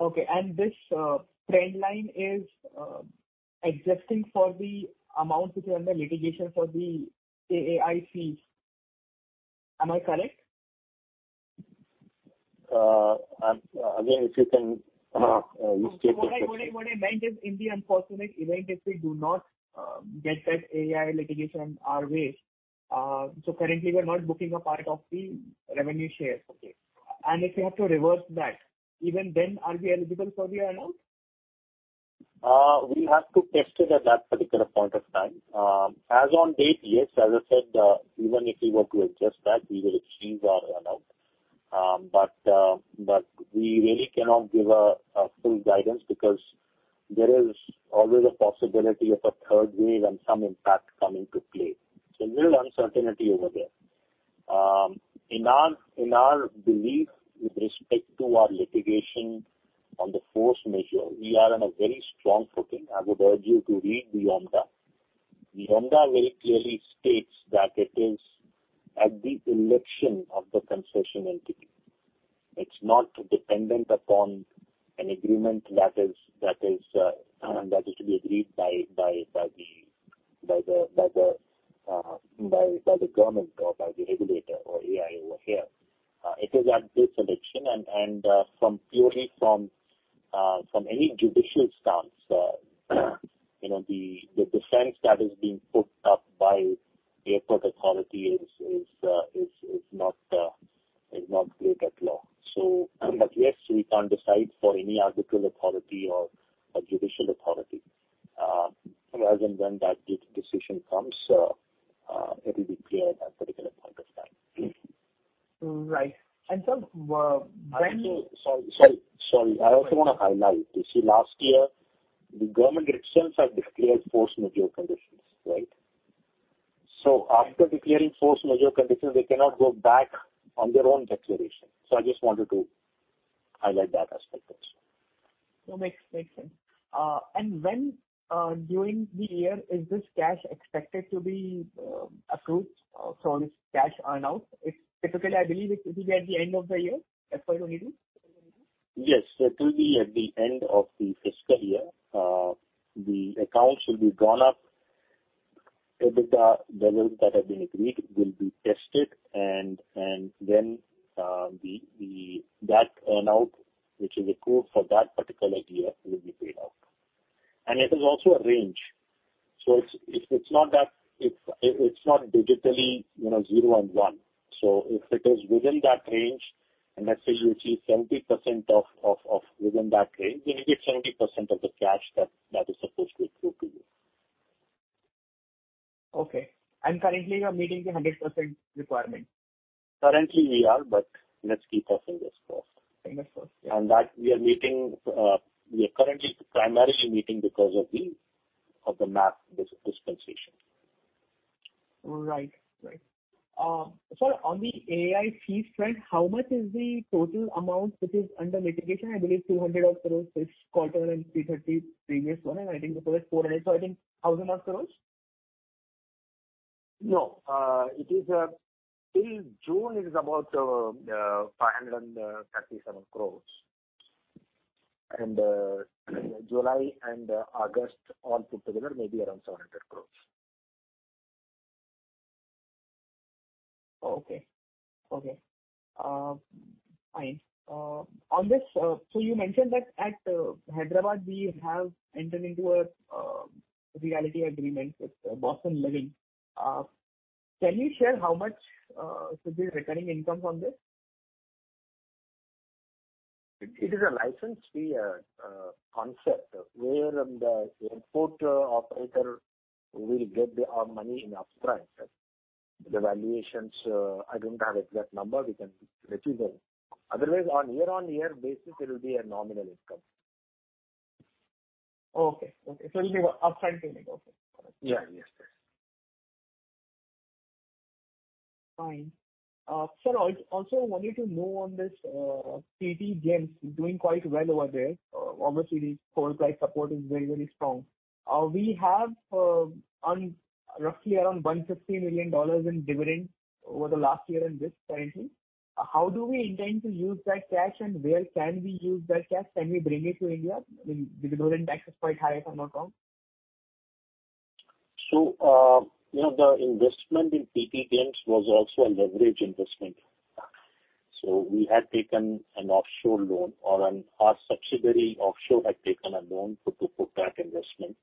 Okay. This trend line is existing for the amount which is under litigation for the AAI fee. Am I correct? Again, if you can restate the question. What I meant is in the unfortunate event, if we do not get that AAI litigation our way. Currently, we are not booking a part of the revenue share. Okay. If we have to reverse that, even then, are we eligible for the earn-out? We have to test it at that particular point of time. As on date, yes, as I said, even if we were to adjust that, we will achieve our [run-out]. We really cannot give a full guidance because there is always a possibility of a third wave and some impact coming to play. A little uncertainty over there. In our belief with respect to our litigation on the force majeure, we are on a very strong footing. I would urge you to read the OMDA. The OMDA very clearly states that it is at the election of the concession entity. It is not dependent upon an agreement that is to be agreed by the government or by the regulator or AAI over here. It is at this election and purely from any judicial stance, the defense that is being put up by Airports Authority is not great at law. Yes, we can't decide for any other authority or a judicial authority. As and when that decision comes, it will be clear at that particular point of time. Right. Sorry. I also want to highlight. You see, last year, the government itself had declared force majeure conditions. Right? After declaring force majeure conditions, they cannot go back on their own declaration. I just wanted to highlight that aspect also. No, makes sense. When during the year is this cash expected to be approved from cash earn-out? Typically, I believe it will be at the end of the year, FY 2022. Yes, it will be at the end of the fiscal year. The accounts will be drawn up. EBITDA levels that have been agreed will be tested, then that earn-out, which is accrued for that particular year, will be paid out. It is also a range. It is not digitally zero and one. If it is within that range, and let's say you achieve 70% within that range, you will get 70% of the cash that is supposed to accrue to you. Okay. Currently you are meeting the 100% requirement? Currently we are, but let's keep our fingers crossed. Fingers crossed. Yeah. That we are currently primarily meeting because of the MAF dispensation. Right. Sir, on the AAI fees front, how much is the total amount which is under litigation? I believe 200 odd crore this quarter, 330 previous one, I think it was INR 400, I think 1,000 odd crore? No. Till June it is about 537 crore. July and August all put together, maybe around INR 700 crore. Okay. Fine. You mentioned that at Hyderabad we have entered into a realty agreement with Boston Living. Can you share how much should be the recurring income from this? It is a license-fee concept where the airport operator will get our money in upfront. The valuations, I don't have exact number. We can get you that. Otherwise, on year-over-year basis, it will be a nominal income. Okay. It will be. Yeah. Yes. Fine. Sir, I also wanted to know on this PT GEMS is doing quite well over there. Obviously, [audio distorion] is very strong. We have roughly around $150 million in dividends over the last year in this financial. How do we intend to use that cash, and where can we use that cash? Can we bring it to India? I mean, dividend tax is quite high if I'm not wrong. The investment in PT GEMS was also a leverage investment. We had taken an offshore loan, or our subsidiary offshore had taken a loan to put that investment.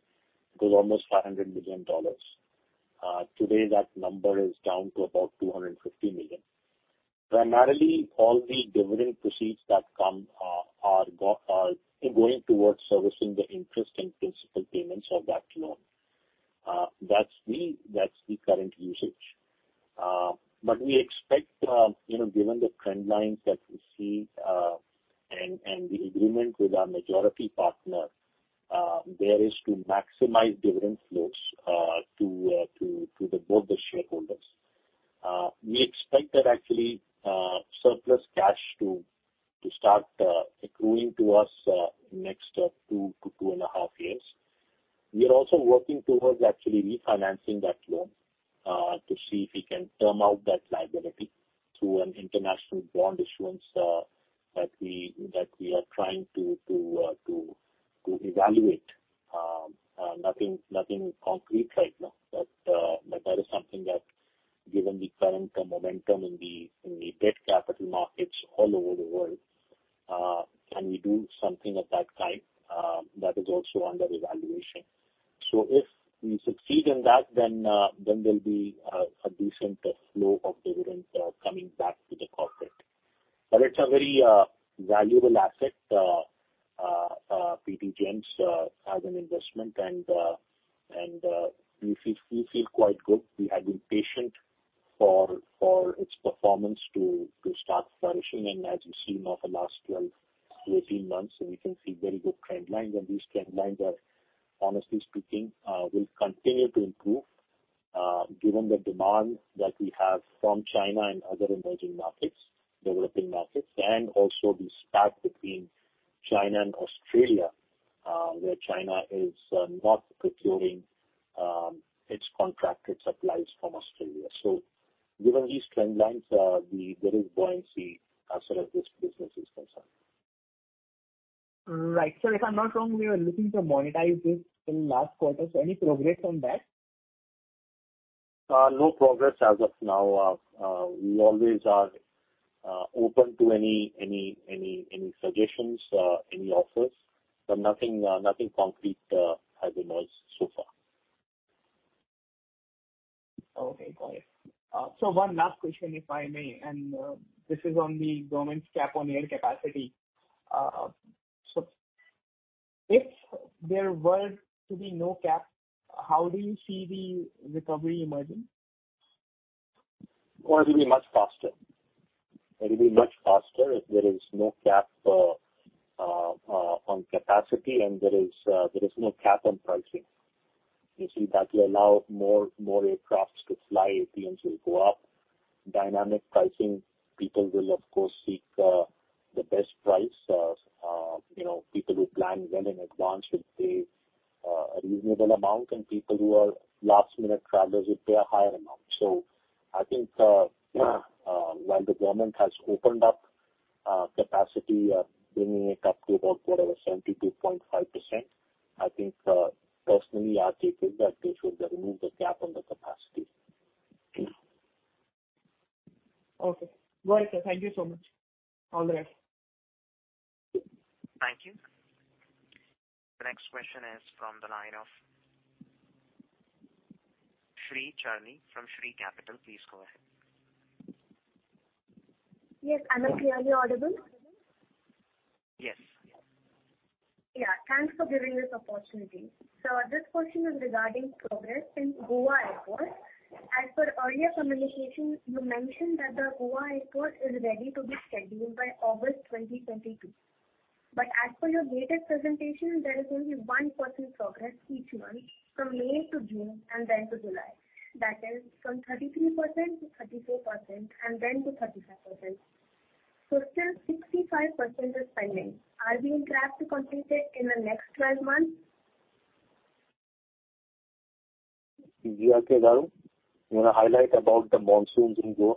It was almost $500 million. Today, that number is down to about $250 million. Primarily, all the dividend proceeds that come are going towards servicing the interest and principal payments of that loan. That's the current usage. We expect, given the trend lines that we see and the agreement with our majority partner there is to maximize dividend flows to both the shareholders. We expect that actually surplus cash to start accruing to us in next two to two and a half years. We are also working towards actually refinancing that loan, to see if we can term out that liability through an an international bond issuance that we are trying to evaluate. Nothing concrete right now, that is something that, given the current momentum in the debt capital markets all over the world, can we do something of that kind? That is also under evaluation. If we succeed in that, then there'll be a decent flow of dividends coming back to the corporate. It's a very valuable asset, PT GEMS, as an investment, and we feel quite good. We had been patient for its performance to start flourishing, and as you see now for last 12-18 months, we can see very good trend lines. These trend lines are, honestly speaking, will continue to improve given the demand that we have from China and other emerging markets, developing markets, and also the spat between China and Australia, where China is not procuring its contracted supplies from Australia. Given these trend lines, there is buoyancy as far as this business is concerned. Right. Sir, if I'm not wrong, we were looking to monetize this in last quarter. Any progress on that? No progress as of now. We always are open to any suggestions, any offers, but nothing concrete as of now so far. Okay, got it. One last question, if I may, and this is on the government's cap on air capacity. If there were to be no cap, how do you see the recovery emerging? Oh, it will be much faster. It will be much faster if there is no cap on capacity and there is no cap on pricing. You see, that will allow more aircrafts to fly. ATMs will go up. Dynamic pricing, people will of course seek the best price. People who plan well in advance will pay a reasonable amount, people who are last-minute travelers will pay a higher amount. I think while the government has opened up capacity, bringing it up to about, what are we, 72.5%, I think personally our take is that they should remove the cap on the capacity. Okay. Right, sir. Thank you so much. All the best. Thank you. The next question is from the line of [Shree Charani] from Sree Capital. Please go ahead. Yes. Am I clearly audible? Yes. Thanks for giving this opportunity. This question is regarding progress in Goa Airport. As per earlier communication, you mentioned that the Goa Airport is ready to be scheduled by August 2022. As per your latest presentation, there is only 1% progress each month from May to June and then to July. That is from 33% to 34% and then to 35%. Still 65% is pending. Are we on track to complete it in the next 12 months? G R K, do you want to highlight about the monsoons in Goa?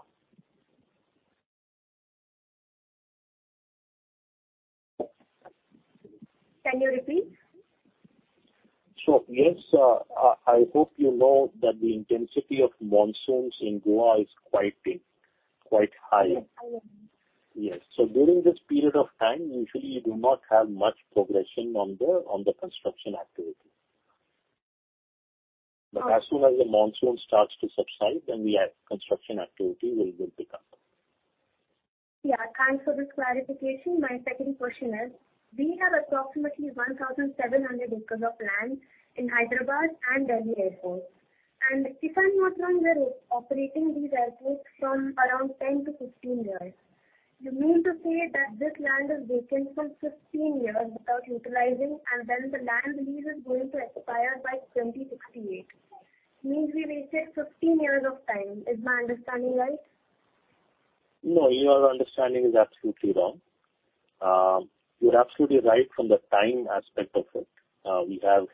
Can you repeat? Yes, I hope you know that the intensity of monsoons in Goa is quite high. Yes, I am. Yes. During this period of time, usually you do not have much progression on the construction activity. Okay. As soon as the monsoon starts to subside, then the construction activity will pick up. Yeah. Thanks for the clarification. My second question is, we have approximately 1,700 acres of land in Hyderabad and Delhi Airport. If I'm not wrong, we're operating these airports from around 10 to 15 years. You mean to say that this land is vacant for 15 years without utilizing, and then the land lease is going to expire by 2068? Means we wasted 15 years of time. Is my understanding right? No. Your understanding is absolutely wrong. You're absolutely right from the time aspect of it. We have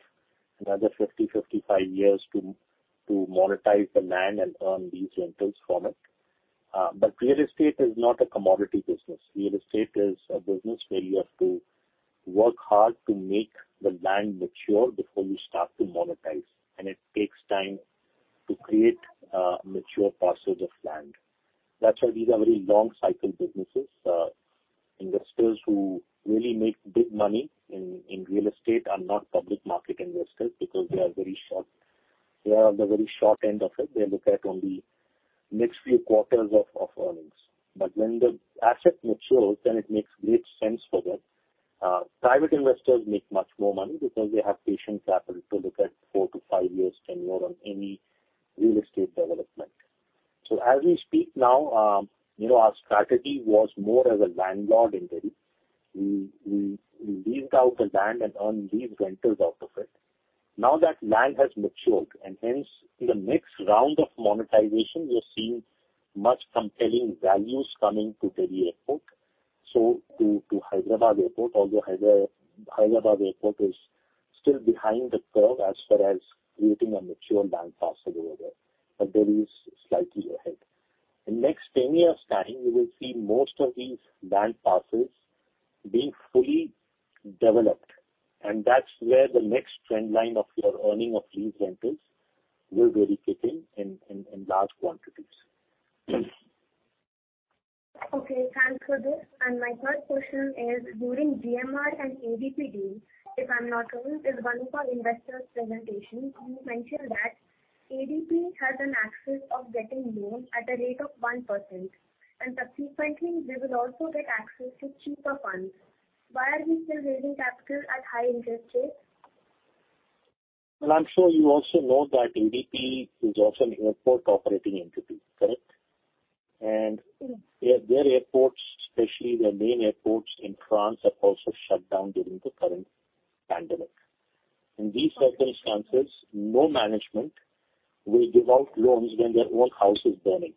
another 50-55 years to monetize the land and earn these rentals from it. Real estate is not a commodity business. Real estate is a business where you have to work hard to make the land mature before you start to monetize, and it takes time to create mature parcels of land. That's why these are very long cycle businesses. Investors who really make big money in real estate are not public market investors because they are on the very short end of it. They look at only the next few quarters of earnings. When the asset matures, then it makes great sense for them. Private investors make much more money because they have patient capital to look at four to five years tenure on any real estate development. As we speak now, our strategy was more as a landlord in Delhi. We leased out the land and earned lease rentals out of it. Now that land has matured, hence in the next round of monetization, we're seeing much compelling values coming to Delhi Airport. To Hyderabad Airport, although Hyderabad Airport is still behind the curve as far as creating a mature land parcel over there. Delhi is slightly ahead. In next 10 years' time, we will see most of these land parcels being fully developed, that's where the next trend line of your earning of lease rentals will really kick in large quantities. Okay. Thanks for this. My third question is, during GMR and ADP deals, if I'm not wrong, in one of our investor presentation, you mentioned that ADP has access of getting loans at a rate of 1%, and subsequently they will also get access to cheaper funds. Why are we still raising capital at high interest rates? Well, I'm sure you also know that ADP is also an airport operating entity, correct? Their airports, especially their main airports in France, are also shut down during the current pandemic. In these circumstances, no management will give out loans when their own house is burning.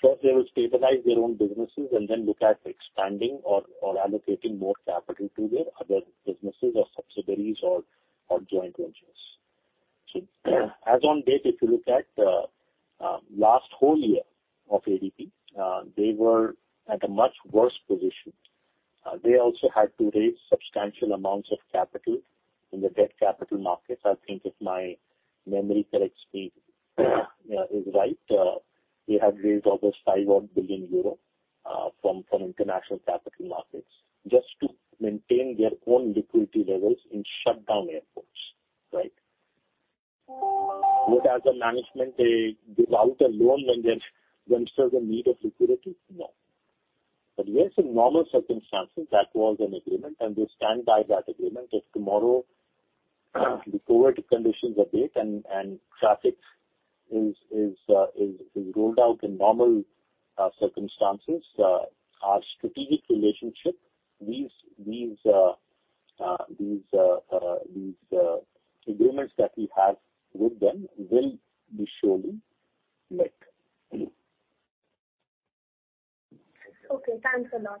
First they will stabilize their own businesses and then look at expanding or allocating more capital to their other businesses or subsidiaries or joint ventures. As on date, if you look at last whole year of ADP, they were at a much worse position. They also had to raise substantial amounts of capital in the debt capital markets. I think if my memory corrects me is right, they have raised almost 5 odd billion from international capital markets just to maintain their own liquidity levels in shut down airports. Right? Would, as a management, they give out a loan when they themselves in need of liquidity? No. Yes, in normal circumstances, that was an agreement, and we stand by that agreement. If tomorrow, the COVID conditions abate and traffic is rolled out in normal circumstances, our strategic relationship, these agreements that we have with them will be surely let. Okay. Thanks a lot.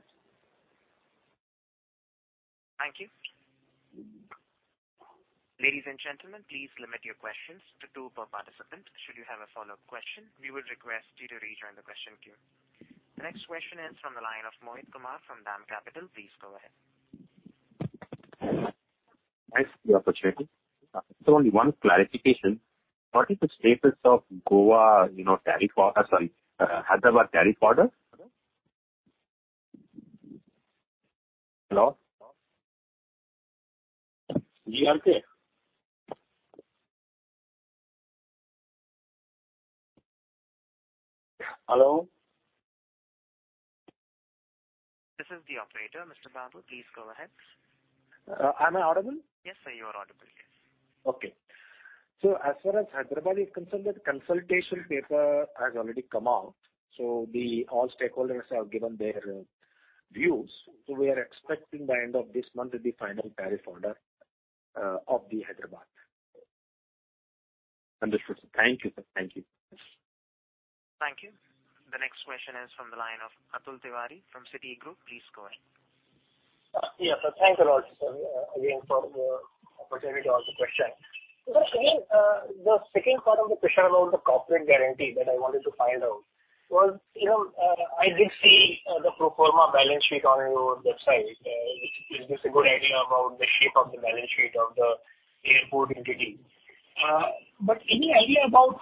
Thank you. Ladies and gentlemen, please limit your questions to two per participant. Should you have a follow-up question, we would request you to rejoin the question queue. The next question is from the line of Mohit Kumar from DAM Capital. Please go ahead. Thanks for the opportunity. Only one clarification. What is the status of Hyderabad tariff order? Hello? You are clear. Hello? This is the operator, Mr. Babu. Please go ahead. Am I audible? Yes, sir. You are audible. Yes. Okay. As far as Hyderabad is concerned, the consultation paper has already come out. All stakeholders have given their views. We are expecting by end of this month the final tariff order of the Hyderabad. Understood, sir. Thank you. Thank you. The next question is from the line of Atul Tiwari from Citigroup. Please go ahead. Yeah. Thanks a lot, sir, again, for the opportunity to ask the question. Sir, the second part of the question about the corporate guarantee that I wanted to find out was, I did see the pro forma balance sheet on your website. It gives a good idea about the shape of the balance sheet of the airport entity. Any idea about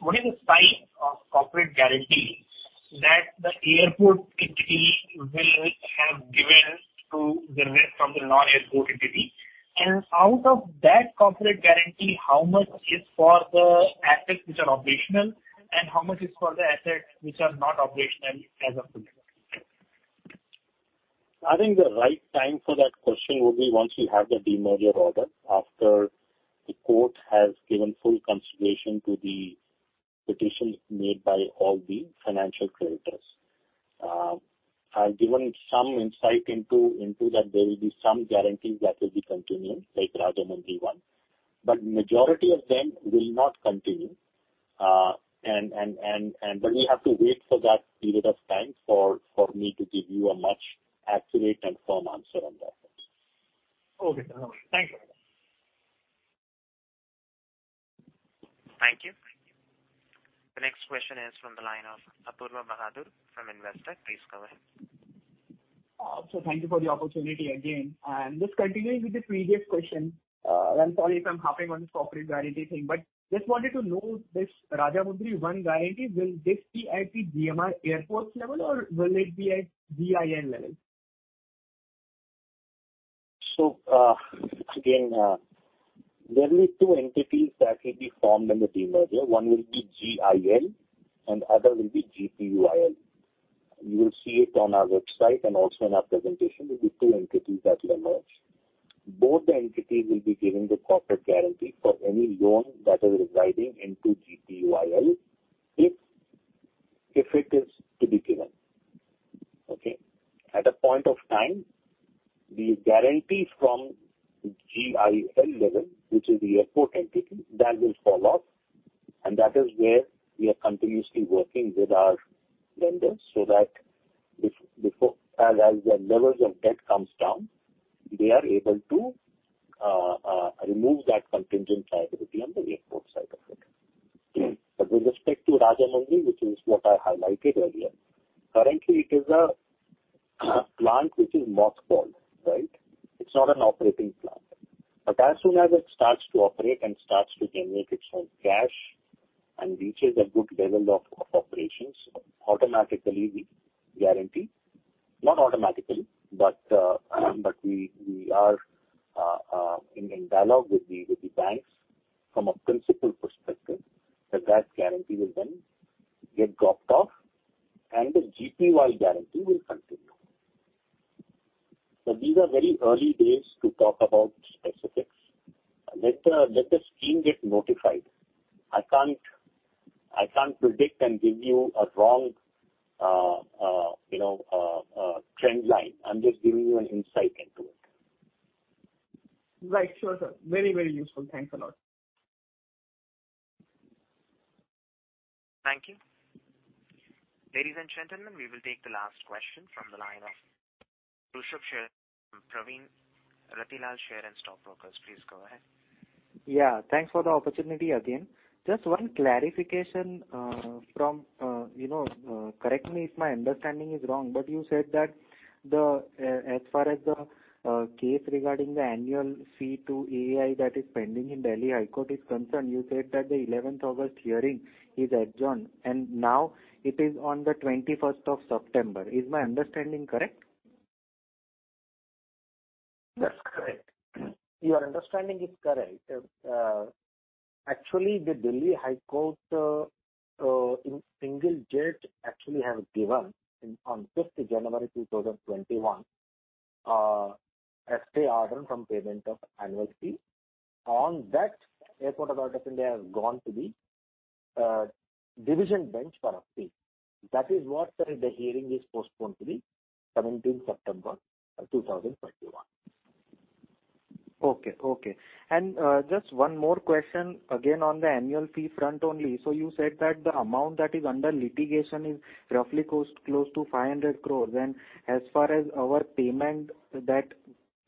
what is the size of corporate guarantee that the airport entity will have given from the non-airport entity. Out of that corporate guarantee, how much is for the assets which are operational, and how much is for the assets which are not operational as of today? I think the right time for that question would be once we have the demerger order, after the court has given full consideration to the petitions made by all the financial creditors. I've given some insight into that there will be some guarantees that will be continuing, like Rajahmundry one. Majority of them will not continue. We have to wait for that period of time for me to give you a much accurate and firm answer on that. Okay. Thank you. Thank you. The next question is from the line of Apoorva Bahadur from Investec. Please go ahead. Thank you for the opportunity again. Just continuing with the previous question. I am sorry if I am harping on this corporate guarantee thing, just wanted to know this Rajahmundry one guarantee, will this be at the GMR Airport level or will it be at the GIL level? Again, there will be two entities that will be formed in the demerger. One will be GIL and the other will be GPUIL. You will see it on our website and also in our presentation will be two entities that will emerge. Both the entities will be giving the corporate guarantee for any loan that is residing into GPUIL, if it is to be given. Okay? At a point of time, the guarantee from GIL level, which is the airport entity, that will fall off, and that is where we are continuously working with our lenders, so that as the levels of debt comes down, they are able to remove that contingent liability on the airport side of it. Okay? With respect to Rajahmundry, which is what I highlighted earlier, currently it is a plant which is mothballed. It's not an operating plant. As soon as it starts to operate and starts to generate its own cash and reaches a good level of operations, automatically we guarantee. Not automatically, we are in dialogue with the banks from a principal perspective, that that guarantee will then get dropped off and the GPUIL guarantee will continue. These are very early days to talk about specifics. Let the scheme get notified. I can't predict and give you a wrong trend line. I'm just giving you an insight into it. Right. Sure, sir. Very useful. Thanks a lot. Thank you. Ladies and gentlemen, we will take the last question from the line of Rushabh Sharedalal from Pravin Ratilal Share and Stock Brokers. Please go ahead. Yeah. Thanks for the opportunity again. Just one clarification. Correct me if my understanding is wrong, but you said that as far as the case regarding the annual fee to AAI that is pending in Delhi High Court is concerned, you said that the 11th August hearing is adjourned and now it is on the 21st of September. Is my understanding correct? That's correct. Your understanding is correct. Actually, the Delhi High Court in single judge actually have given on 5th January 2021, a stay order from payment of annual fee. On that, Airports Authority of India has gone to the division bench for appeal. That is why the hearing is postponed to the 17th September of 2021. Okay. Just one more question, again, on the annual fee front only. You said that the amount that is under litigation is roughly close to 500 crore, and as far as our payment that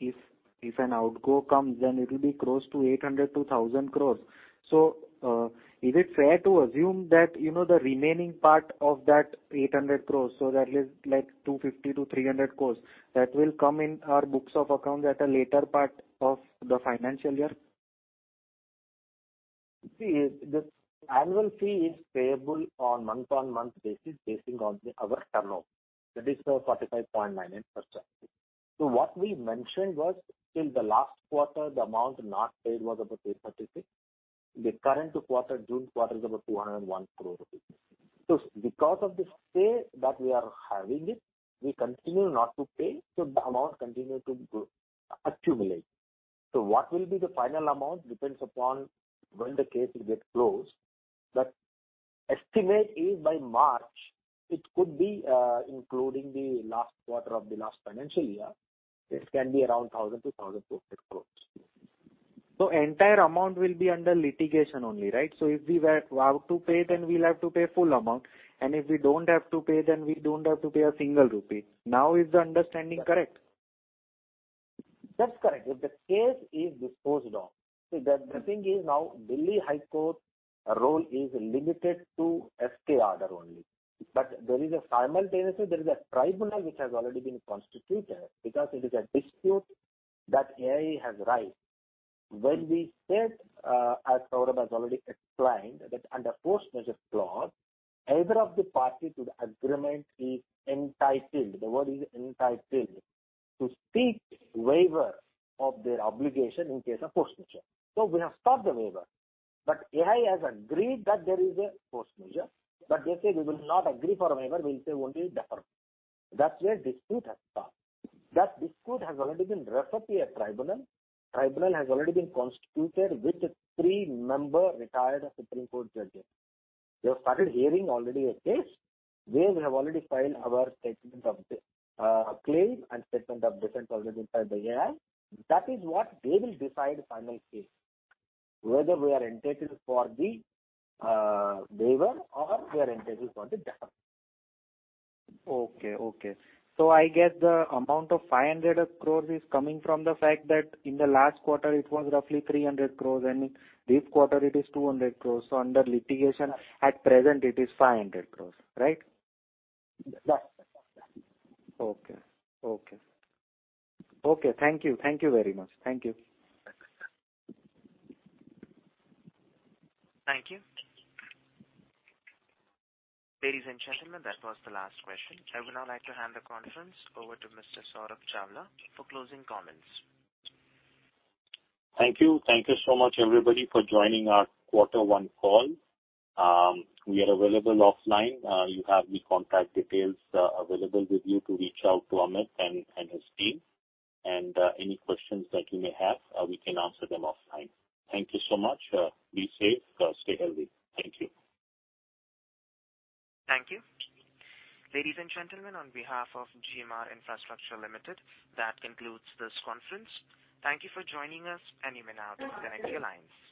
if an outgo comes, then it will be close to 800 crore-1,000 crore. Is it fair to assume that the remaining part of that 800 crore, that leaves like 250 crore-300 crore, that will come in our books of accounts at a later part of the financial year? See, this annual fee is payable on month-on-month basis, basing on our turnover. That is the 45.99%. What we mentioned was till the last quarter, the amount not paid was about 836 crore. The current quarter, June quarter, is about 201 crore rupees. Because of the stay that we are having it, we continue not to pay, so the amount continue to accumulate. What will be the final amount depends upon when the case will get closed. Estimate is by March, it could be including the last quarter of the last financial year. This can be around 1,000 crore-1,200 crore. Entire amount will be under litigation only, right? If we were to pay, then we'll have to pay full amount, and if we don't have to pay, then we don't have to pay a single rupee. Now is the understanding correct? That's correct. If the case is disposed of. The thing is now Delhi High Court role is limited to stay order only. Simultaneously, there is a tribunal which has already been constituted because it is a dispute that AAI has raised. When we said, as Saurabh has already explained, that under force majeure clause, either of the parties to the agreement is entitled, the word is entitled, to seek waiver of their obligation in case of force majeure. We have sought the waiver, but AAI has agreed that there is a force majeure, but they say they will not agree for a waiver, we will say only the [defer]. That is where dispute has started. That dispute has already been referred to a tribunal. Tribunal has already been constituted with a three-member retired Supreme Court judges. They have started hearing already a case. They have already filed our statement of claim and statement of defense already filed by AAI. That is what they will decide final case, whether we are entitled for the waiver or we are entitled for the [defer]. Okay. Okay. I guess the amount of 500 crore is coming from the fact that in the last quarter it was roughly 300 crore and this quarter it is 200 crore. Under litigation at present it is 500 crore, right? Yes. Okay. Okay. Thank you very much. Thank you. Thank you. Ladies and gentlemen, that was the last question. I would now like to hand the conference over to Mr. Saurabh Chawla for closing comments. Thank you. Thank you so much everybody for joining our quarter one call. We are available offline. You have the contact details available with you to reach out to Amit and his team, and any questions that you may have, we can answer them offline. Thank you so much. Be safe. Stay healthy. Thank you. Thank you. Ladies and gentlemen, on behalf of GMR Infrastructure Limited, that concludes this conference. Thank you for joining us, and you may now disconnect your lines.